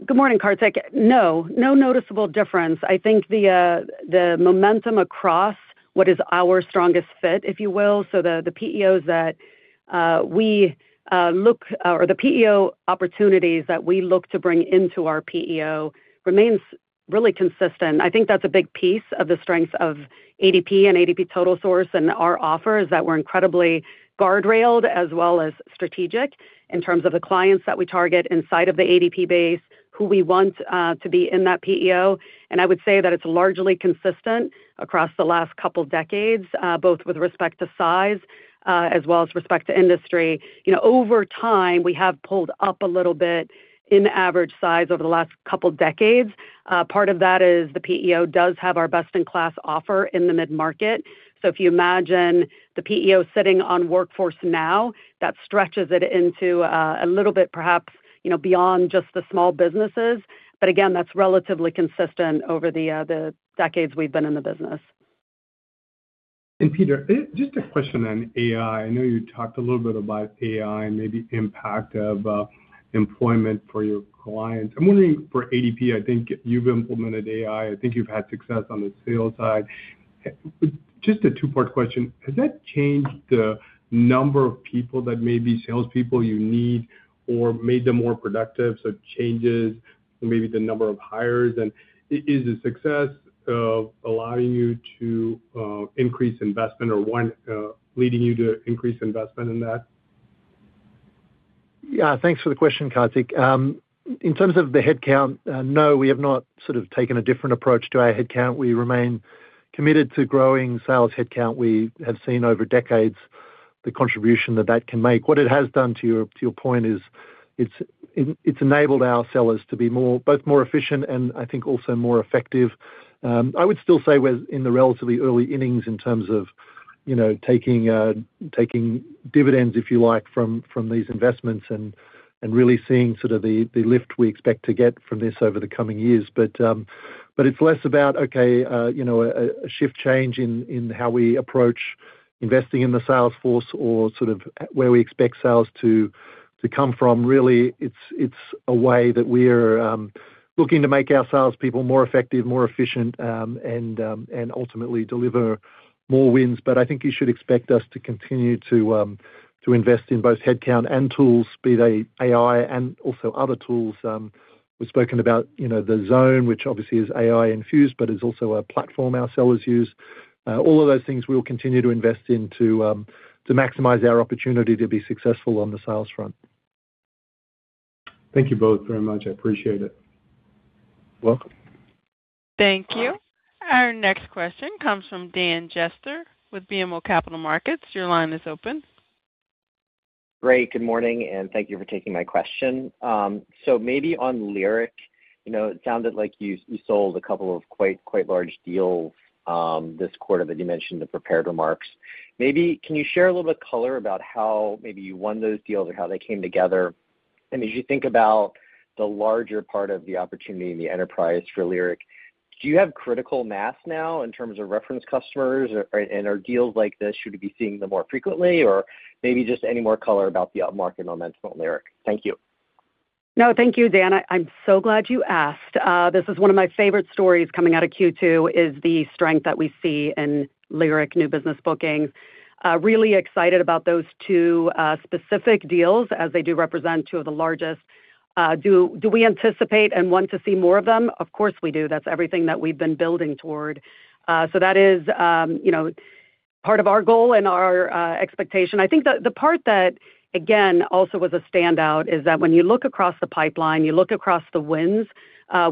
Good morning, Kartik. No, no noticeable difference. I think the momentum across what is our strongest fit, if you will, so the PEOs that we or the PEO opportunities that we look to bring into our PEO remains really consistent. I think that's a big piece of the strength of ADP and ADP TotalSource and our offers, that we're incredibly guardrailed as well as strategic in terms of the clients that we target inside of the ADP base, who we want to be in that PEO. And I would say that it's largely consistent across the last couple decades, both with respect to size as well as respect to industry. You know, over time, we have pulled up a little bit in average size over the last couple decades. Part of that is the PEO does have our best-in-class offer in the mid-market. So if you imagine the PEO sitting on Workforce Now, that stretches it into a little bit, perhaps, you know, beyond just the small businesses. But again, that's relatively consistent over the decades we've been in the business. And Peter, just a question on AI. I know you talked a little bit about AI and maybe impact of employment for your clients. I'm wondering, for ADP, I think you've implemented AI. I think you've had success on the sales side. Just a two-part question: Has that changed the number of people that maybe salespeople you need or made them more productive, so changes in maybe the number of hires? And is the success allowing you to increase investment or one leading you to increase investment in that? Yeah, thanks for the question, Kartik. In terms of the headcount, no, we have not sort of taken a different approach to our headcount. We remain committed to growing sales headcount. We have seen over decades the contribution that that can make. What it has done, to your point, is it's enabled our sellers to be more both more efficient and I think also more effective. I would still say we're in the relatively early innings in terms of, you know, taking dividends, if you like, from these investments and really seeing sort of the lift we expect to get from this over the coming years. But it's less about you know, a shift change in how we approach investing in the sales force or sort of where we expect sales to come from. Really, it's a way that we're looking to make our salespeople more effective, more efficient, and ultimately deliver more wins. But I think you should expect us to continue to invest in both headcount and tools, be they AI and also other tools. We've spoken about you know, the Zone, which obviously is AI infused, but is also a platform our sellers use. All of those things we'll continue to invest in to maximize our opportunity to be successful on the sales front. Thank you both very much. I appreciate it. Welcome. Thank you. Our next question comes from Dan Jester with BMO Capital Markets. Your line is open. Great. Good morning, and thank you for taking my question. So maybe on Lyric, you know, it sounded like you sold a couple of quite large deals this quarter that you mentioned in the prepared remarks. Maybe can you share a little bit color about how maybe you won those deals or how they came together? And as you think about the larger part of the opportunity in the enterprise for Lyric, do you have critical mass now in terms of reference customers or and are deals like this; should we be seeing them more frequently? Or maybe just any more color about the upmarket momentum on Lyric. Thank you. No, thank you, Dan. I'm so glad you asked. This is one of my favorite stories coming out of Q2, is the strength that we see in Lyric new business bookings. Really excited about those two specific deals, as they do represent two of the largest. Do we anticipate and want to see more of them? Of course, we do. That's everything that we've been building toward. So that is, you know, part of our goal and our expectation. I think the part that, again, also was a standout is that when you look across the pipeline, you look across the wins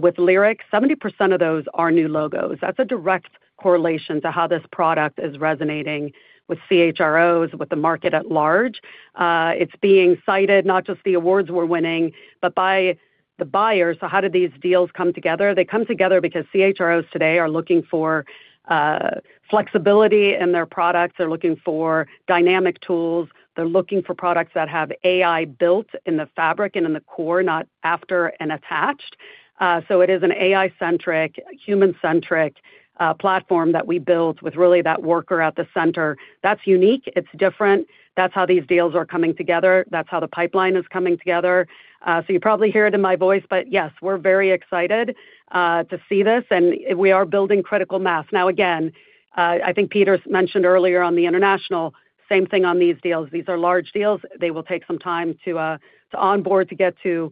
with Lyric, 70% of those are new logos. That's a direct correlation to how this product is resonating with CHROs, with the market at large. It's being cited, not just the awards we're winning, but by the buyers. So how do these deals come together? They come together because CHROs today are looking for flexibility in their products. They're looking for dynamic tools. They're looking for products that have AI built in the fabric and in the core, not after and attached. So it is an AI-centric, human-centric platform that we built with really that worker at the center. That's unique. It's different. That's how these deals are coming together. That's how the pipeline is coming together. So you probably hear it in my voice, but yes, we're very excited to see this, and we are building critical mass. Now, again, I think Peter mentioned earlier on the international, same thing on these deals. These are large deals. They will take some time to onboard, to get to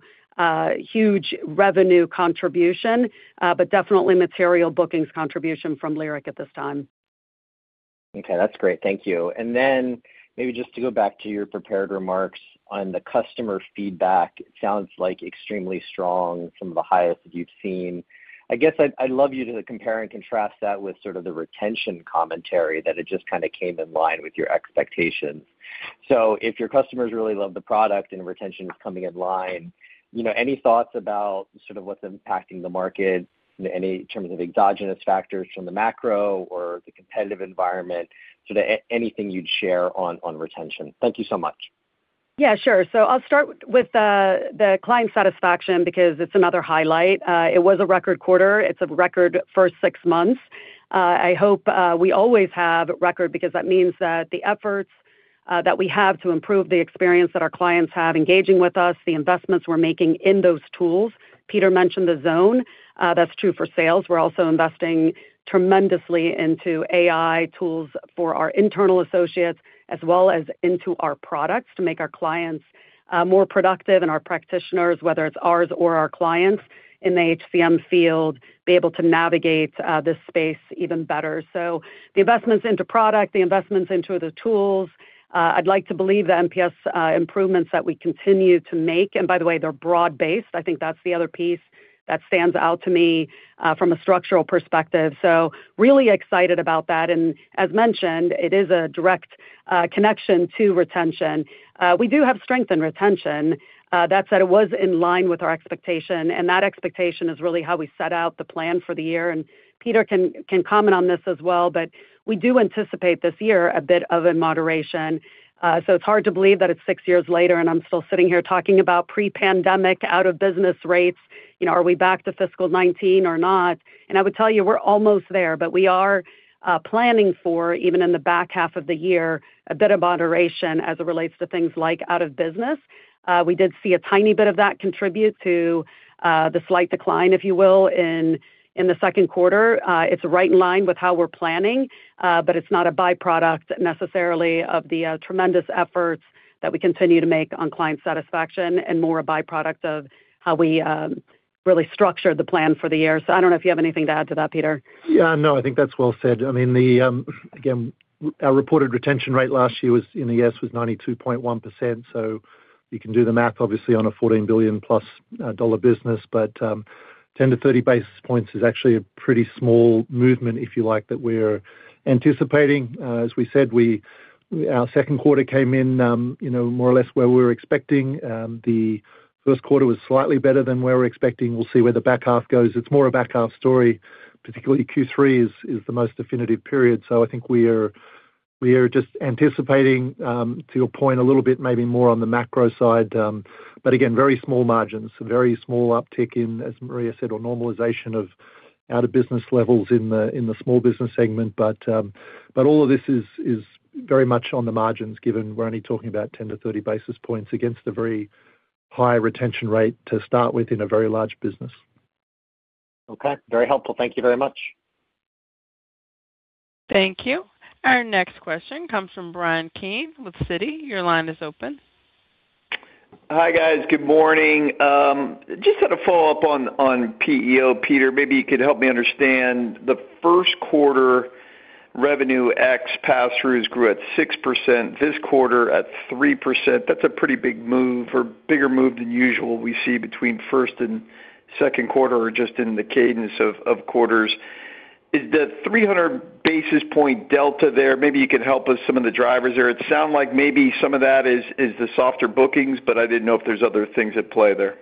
huge revenue contribution, but definitely material bookings contribution from Lyric at this time. Okay, that's great. Thank you. And then maybe just to go back to your prepared remarks on the customer feedback, it sounds like extremely strong, some of the highest that you've seen. I guess I'd, I'd love you to compare and contrast that with sort of the retention commentary, that it just kind of came in line with your expectations. So if your customers really love the product and retention is coming in line, you know, any thoughts about sort of what's impacting the market, in terms of exogenous factors from the macro or the competitive environment, sort of anything you'd share on, on retention? Thank you so much. Yeah, sure. So I'll start with the client satisfaction because it's another highlight. It was a record quarter. It's a record first six months. I hope we always have record because that means that the efforts that we have to improve the experience that our clients have engaging with us, the investments we're making in those tools. Peter mentioned the Zone, that's true for sales. We're also investing tremendously into AI tools for our internal associates, as well as into our products, to make our clients more productive and our practitioners, whether it's ours or our clients in the HCM field, be able to navigate this space even better. So the investments into product, the investments into the tools, I'd like to believe the NPS improvements that we continue to make, and by the way, they're broad-based. I think that's the other piece that stands out to me, from a structural perspective. So really excited about that, and as mentioned, it is a direct connection to retention. We do have strength in retention. That said, it was in line with our expectation, and that expectation is really how we set out the plan for the year. And Peter can comment on this as well, but we do anticipate this year a bit of a moderation. So it's hard to believe that it's six years later, and I'm still sitting here talking about pre-pandemic out-of-business rates. You know, are we back to fiscal 2019 or not? And I would tell you, we're almost there, but we are planning for, even in the back half of the year, a bit of moderation as it relates to things like out of business. We did see a tiny bit of that contribute to the slight decline, if you will, in the second quarter. It's right in line with how we're planning, but it's not a byproduct necessarily of the tremendous efforts that we continue to make on client satisfaction, and more a byproduct of how we really structured the plan for the year. So I don't know if you have anything to add to that, Peter. Yeah, no, I think that's well said. I mean, the, again, our reported retention rate last year was, in the U.S., was 92.1%. So you can do the math, obviously, on a $14 billion-plus dollar business, but, 10-30 basis points is actually a pretty small movement, if you like, that we're anticipating. As we said, our second quarter came in, you know, more or less where we were expecting. The first quarter was slightly better than we were expecting. We'll see where the back half goes. It's more a back half story, particularly Q3 is the most definitive period. So I think we are just anticipating, to your point, a little bit, maybe more on the macro side, but again, very small margins, a very small uptick in, as Maria said, or normalization of out-of-business levels in the small business segment. But all of this is very much on the margins, given we're only talking about 10-30 basis points against a very high retention rate to start with in a very large business. Okay, very helpful. Thank you very much. Thank you. Our next question comes from Bryan Keane with Citi. Your line is open. Hi, guys. Good morning. Just had a follow-up on PEO. Peter, maybe you could help me understand the first quarter revenue ex pass-throughs grew at 6% this quarter at 3%. That's a pretty big move or bigger move than usual we see between first and second quarter or just in the cadence of quarters. Is the 300 basis point delta there, maybe you could help us some of the drivers there. It sound like maybe some of that is the softer bookings, but I didn't know if there's other things at play there.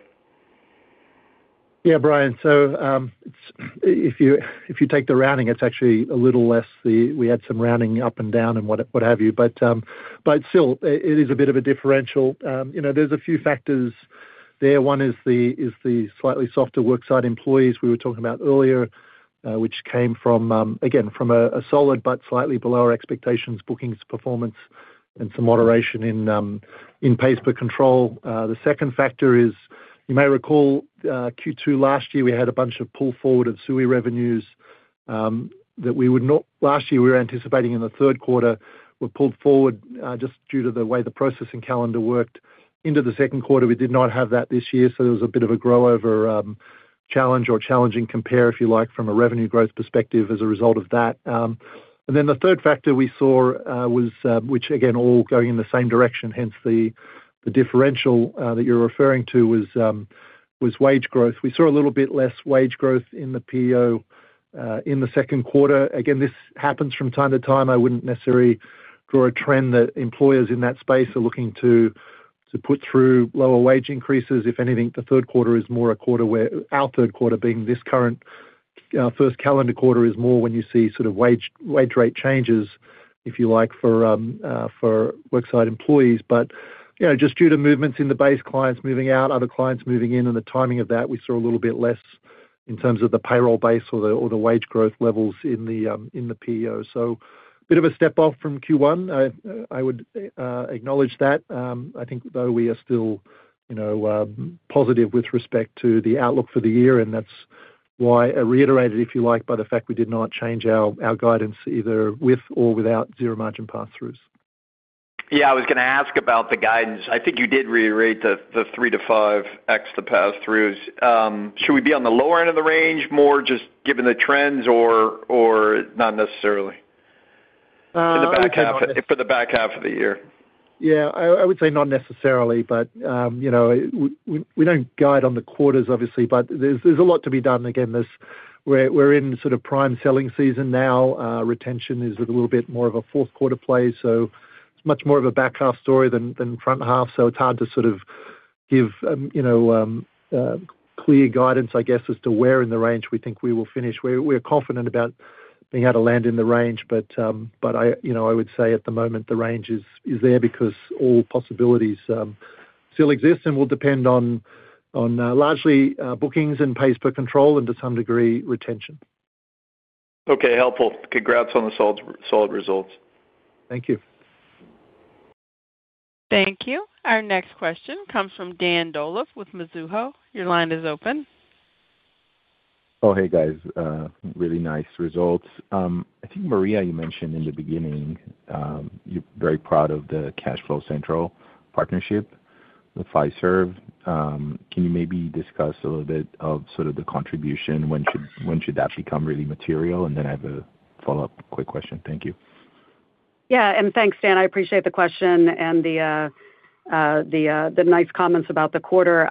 Yeah, Bryan. So, it's. If you take the rounding, it's actually a little less. We had some rounding up and down and what have you. But still, it is a bit of a differential. You know, there's a few factors there. One is the slightly softer worksite employees we were talking about earlier, which came from, again, from a solid but slightly below our expectations bookings performance, and some moderation in pays per control. The second factor is, you may recall, Q2 last year, we had a bunch of pull-forward of SUI revenues that we would not-- Last year, we were anticipating in the third quarter, were pulled forward, just due to the way the processing calendar worked into the second quarter. We did not have that this year, so there was a bit of a year-over-year challenge or challenging comp, if you like, from a revenue growth perspective as a result of that. And then the third factor we saw was, which again, all going in the same direction, hence the, the differential that you're referring to was wage growth. We saw a little bit less wage growth in the PEO in the second quarter. Again, this happens from time to time. I wouldn't necessarily draw a trend that employers in that space are looking to put through lower wage increases. If anything, the third quarter is more a quarter where our third quarter being this current first calendar quarter is more when you see sort of wage, wage rate changes, if you like, for worksite employees. But, you know, just due to movements in the base, clients moving out, other clients moving in, and the timing of that, we saw a little bit less in terms of the payroll base or the, or the wage growth levels in the PEO. So a bit of a step off from Q1. I, I would acknowledge that. I think though we are still, you know, positive with respect to the outlook for the year, and that's why I reiterated, if you like, by the fact we did not change our guidance either with or without zero margin pass-throughs. Yeah, I was gonna ask about the guidance. I think you did reiterate the 3-5x, the pass-throughs. Should we be on the lower end of the range, more just given the trends or not necessarily? Uh, I- For the back half, for the back half of the year. Yeah, I would say not necessarily, but, you know, we don't guide on the quarters, obviously, but there's a lot to be done. Again, we're in sort of prime selling season now. Retention is a little bit more of a fourth quarter play, so it's much more of a back half story than front half. So it's hard to sort of give, you know, clear guidance, I guess, as to where in the range we think we will finish. We're confident about being able to land in the range, but, but I, you know, I would say at the moment, the range is there because all possibilities still exists and will depend on, largely, bookings and pays per control and to some degree, retention. Okay, helpful. Congrats on the solid results. Thank you. Thank you. Our next question comes from Dan Dolev with Mizuho. Your line is open. Oh, hey, guys. Really nice results. I think, Maria, you mentioned in the beginning, you're very proud of the CashFlow Central partnership with Fiserv. Can you maybe discuss a little bit of sort of the contribution? When should, when should that become really material? And then I have a follow-up quick question. Thank you. Yeah, and thanks, Dan. I appreciate the question and the nice comments about the quarter.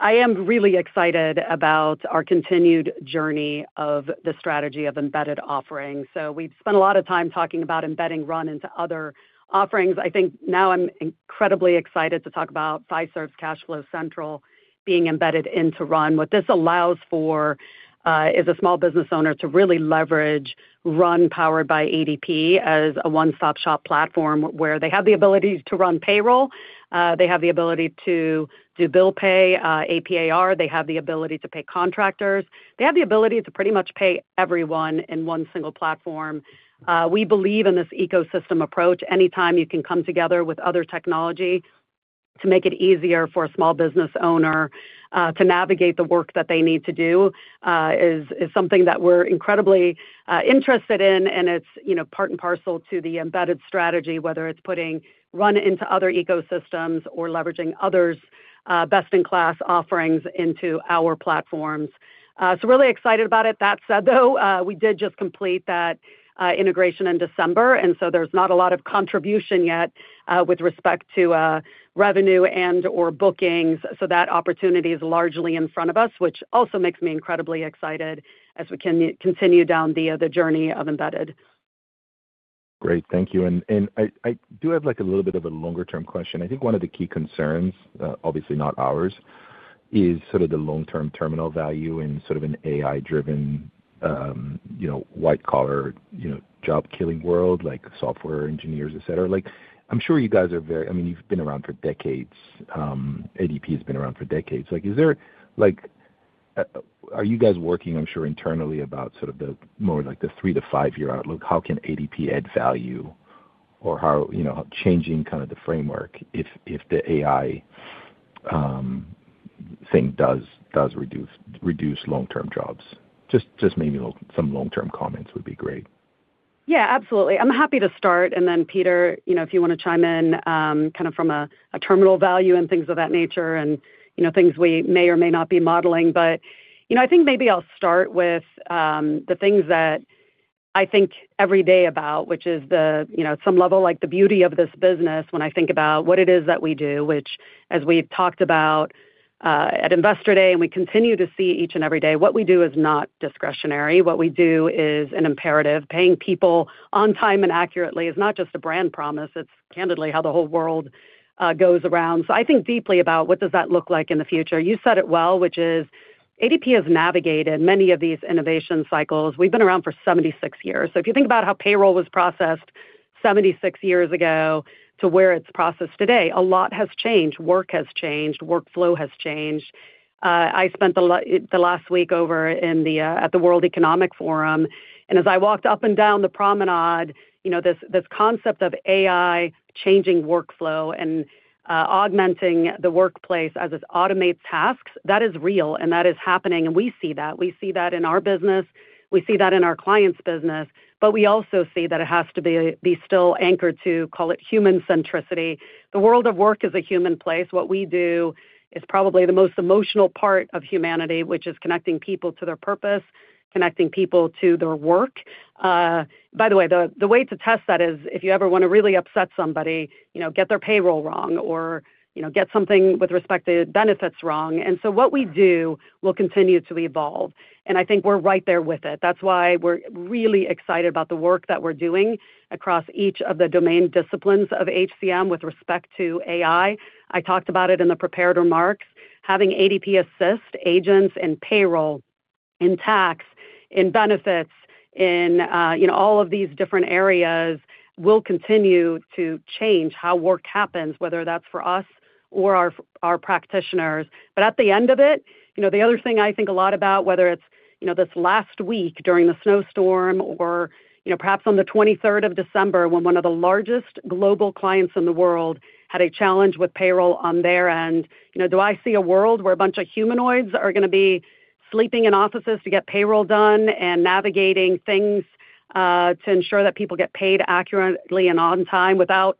I am really excited about our continued journey of the strategy of embedded offerings. So we've spent a lot of time talking about embedding RUN into other offerings. I think now I'm incredibly excited to talk about Fiserv's CashFlow Central being embedded into RUN. What this allows for is a small business owner to really leverage RUN Powered by ADP as a one-stop-shop platform, where they have the ability to run payroll, they have the ability to do bill pay, AP/AR, they have the ability to pay contractors. They have the ability to pretty much pay everyone in one single platform. We believe in this ecosystem approach. Anytime you can come together with other technology to make it easier for a small business owner to navigate the work that they need to do is something that we're incredibly interested in, and it's, you know, part and parcel to the embedded strategy, whether it's putting RUN into other ecosystems or leveraging others' best-in-class offerings into our platforms. So really excited about it. That said, though, we did just complete that integration in December, and so there's not a lot of contribution yet with respect to revenue and/or bookings. So that opportunity is largely in front of us, which also makes me incredibly excited as we can continue down the journey of embedded. Great. Thank you. And I do have, like, a little bit of a longer-term question. I think one of the key concerns, obviously not ours, is sort of the long-term terminal value in sort of an AI-driven, you know, white-collar, you know, job-killing world, like software engineers, et cetera. Like, I'm sure you guys are very, I mean, you've been around for decades. ADP has been around for decades. Like, is there, like, are you guys working, I'm sure, internally about sort of the more like, the 3-5-year outlook? How can ADP add value or how, you know, changing kind of the framework if the AI thing does reduce long-term jobs? Just maybe a little, some long-term comments would be great. Yeah, absolutely. I'm happy to start, and then Peter, you know, if you wanna chime in, kind of from a terminal value and things of that nature, and, you know, things we may or may not be modeling. But, you know, I think maybe I'll start with the things that I think every day about, which is the, you know, at some level, like, the beauty of this business when I think about what it is that we do, which, as we've talked about at Investor Day, and we continue to see each and every day, what we do is not discretionary. What we do is an imperative. Paying people on time and accurately is not just a brand promise, it's candidly how the whole world goes around. So I think deeply about what does that look like in the future. You said it well, which is ADP has navigated many of these innovation cycles. We've been around for 76 years. So if you think about how payroll was processed 76 years ago to where it's processed today, a lot has changed. Work has changed, workflow has changed. I spent the last week over in the at the World Economic Forum, and as I walked up and down the promenade, you know, this, this concept of AI changing workflow and augmenting the workplace as it automates tasks, that is real and that is happening, and we see that. We see that in our business, we see that in our clients' business, but we also see that it has to be still anchored to, call it human centricity. The world of work is a human place. What we do is probably the most emotional part of humanity, which is connecting people to their purpose, connecting people to their work. By the way, the, the way to test that is, if you ever wanna really upset somebody, you know, get their payroll wrong or, you know, get something with respect to benefits wrong. And so what we do will continue to evolve, and I think we're right there with it. That's why we're really excited about the work that we're doing across each of the domain disciplines of HCM with respect to AI. I talked about it in the prepared remarks. Having ADP Assist agents in payroll, in tax, in benefits, in, you know, all of these different areas will continue to change how work happens, whether that's for us or our, our practitioners. But at the end of it, you know, the other thing I think a lot about, whether it's, you know, this last week during the snowstorm or, you know, perhaps on the 23rd of December, when one of the largest global clients in the world had a challenge with payroll on their end, you know, do I see a world where a bunch of humanoids are gonna be sleeping in offices to get payroll done and navigating things, to ensure that people get paid accurately and on time without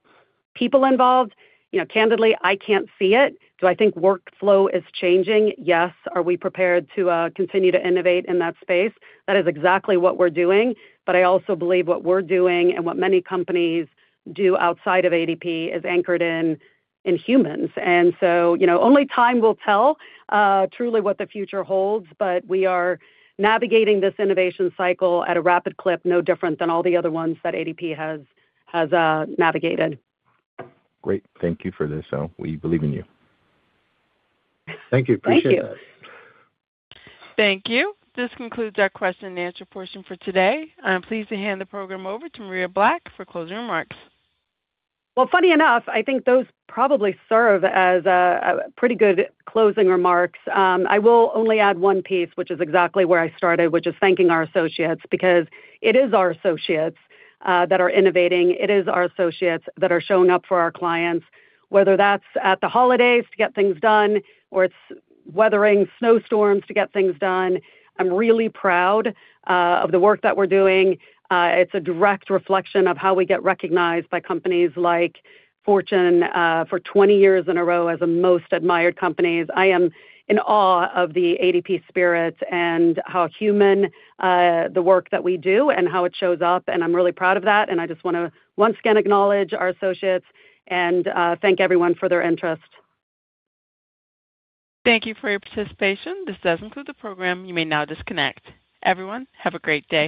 people involved? You know, candidly, I can't see it. Do I think workflow is changing? Yes. Are we prepared to, continue to innovate in that space? That is exactly what we're doing, but I also believe what we're doing and what many companies do outside of ADP is anchored in, in humans. You know, only time will tell truly what the future holds, but we are navigating this innovation cycle at a rapid clip, no different than all the other ones that ADP has navigated. Great. Thank you for this. We believe in you. Thank you. Appreciate it. Thank you. This concludes our question and answer portion for today. I'm pleased to hand the program over to Maria Black for closing remarks. Well, funny enough, I think those probably serve as a pretty good closing remarks. I will only add one piece, which is exactly where I started, which is thanking our associates, because it is our associates that are innovating. It is our associates that are showing up for our clients, whether that's at the holidays to get things done or it's weathering snowstorms to get things done. I'm really proud of the work that we're doing. It's a direct reflection of how we get recognized by companies like Fortune for 20 years in a row as the most admired companies. I am in awe of the ADP spirit and how human the work that we do and how it shows up, and I'm really proud of that. I just wanna once again acknowledge our associates and thank everyone for their interest. Thank you for your participation. This does conclude the program. You may now disconnect. Everyone, have a great day.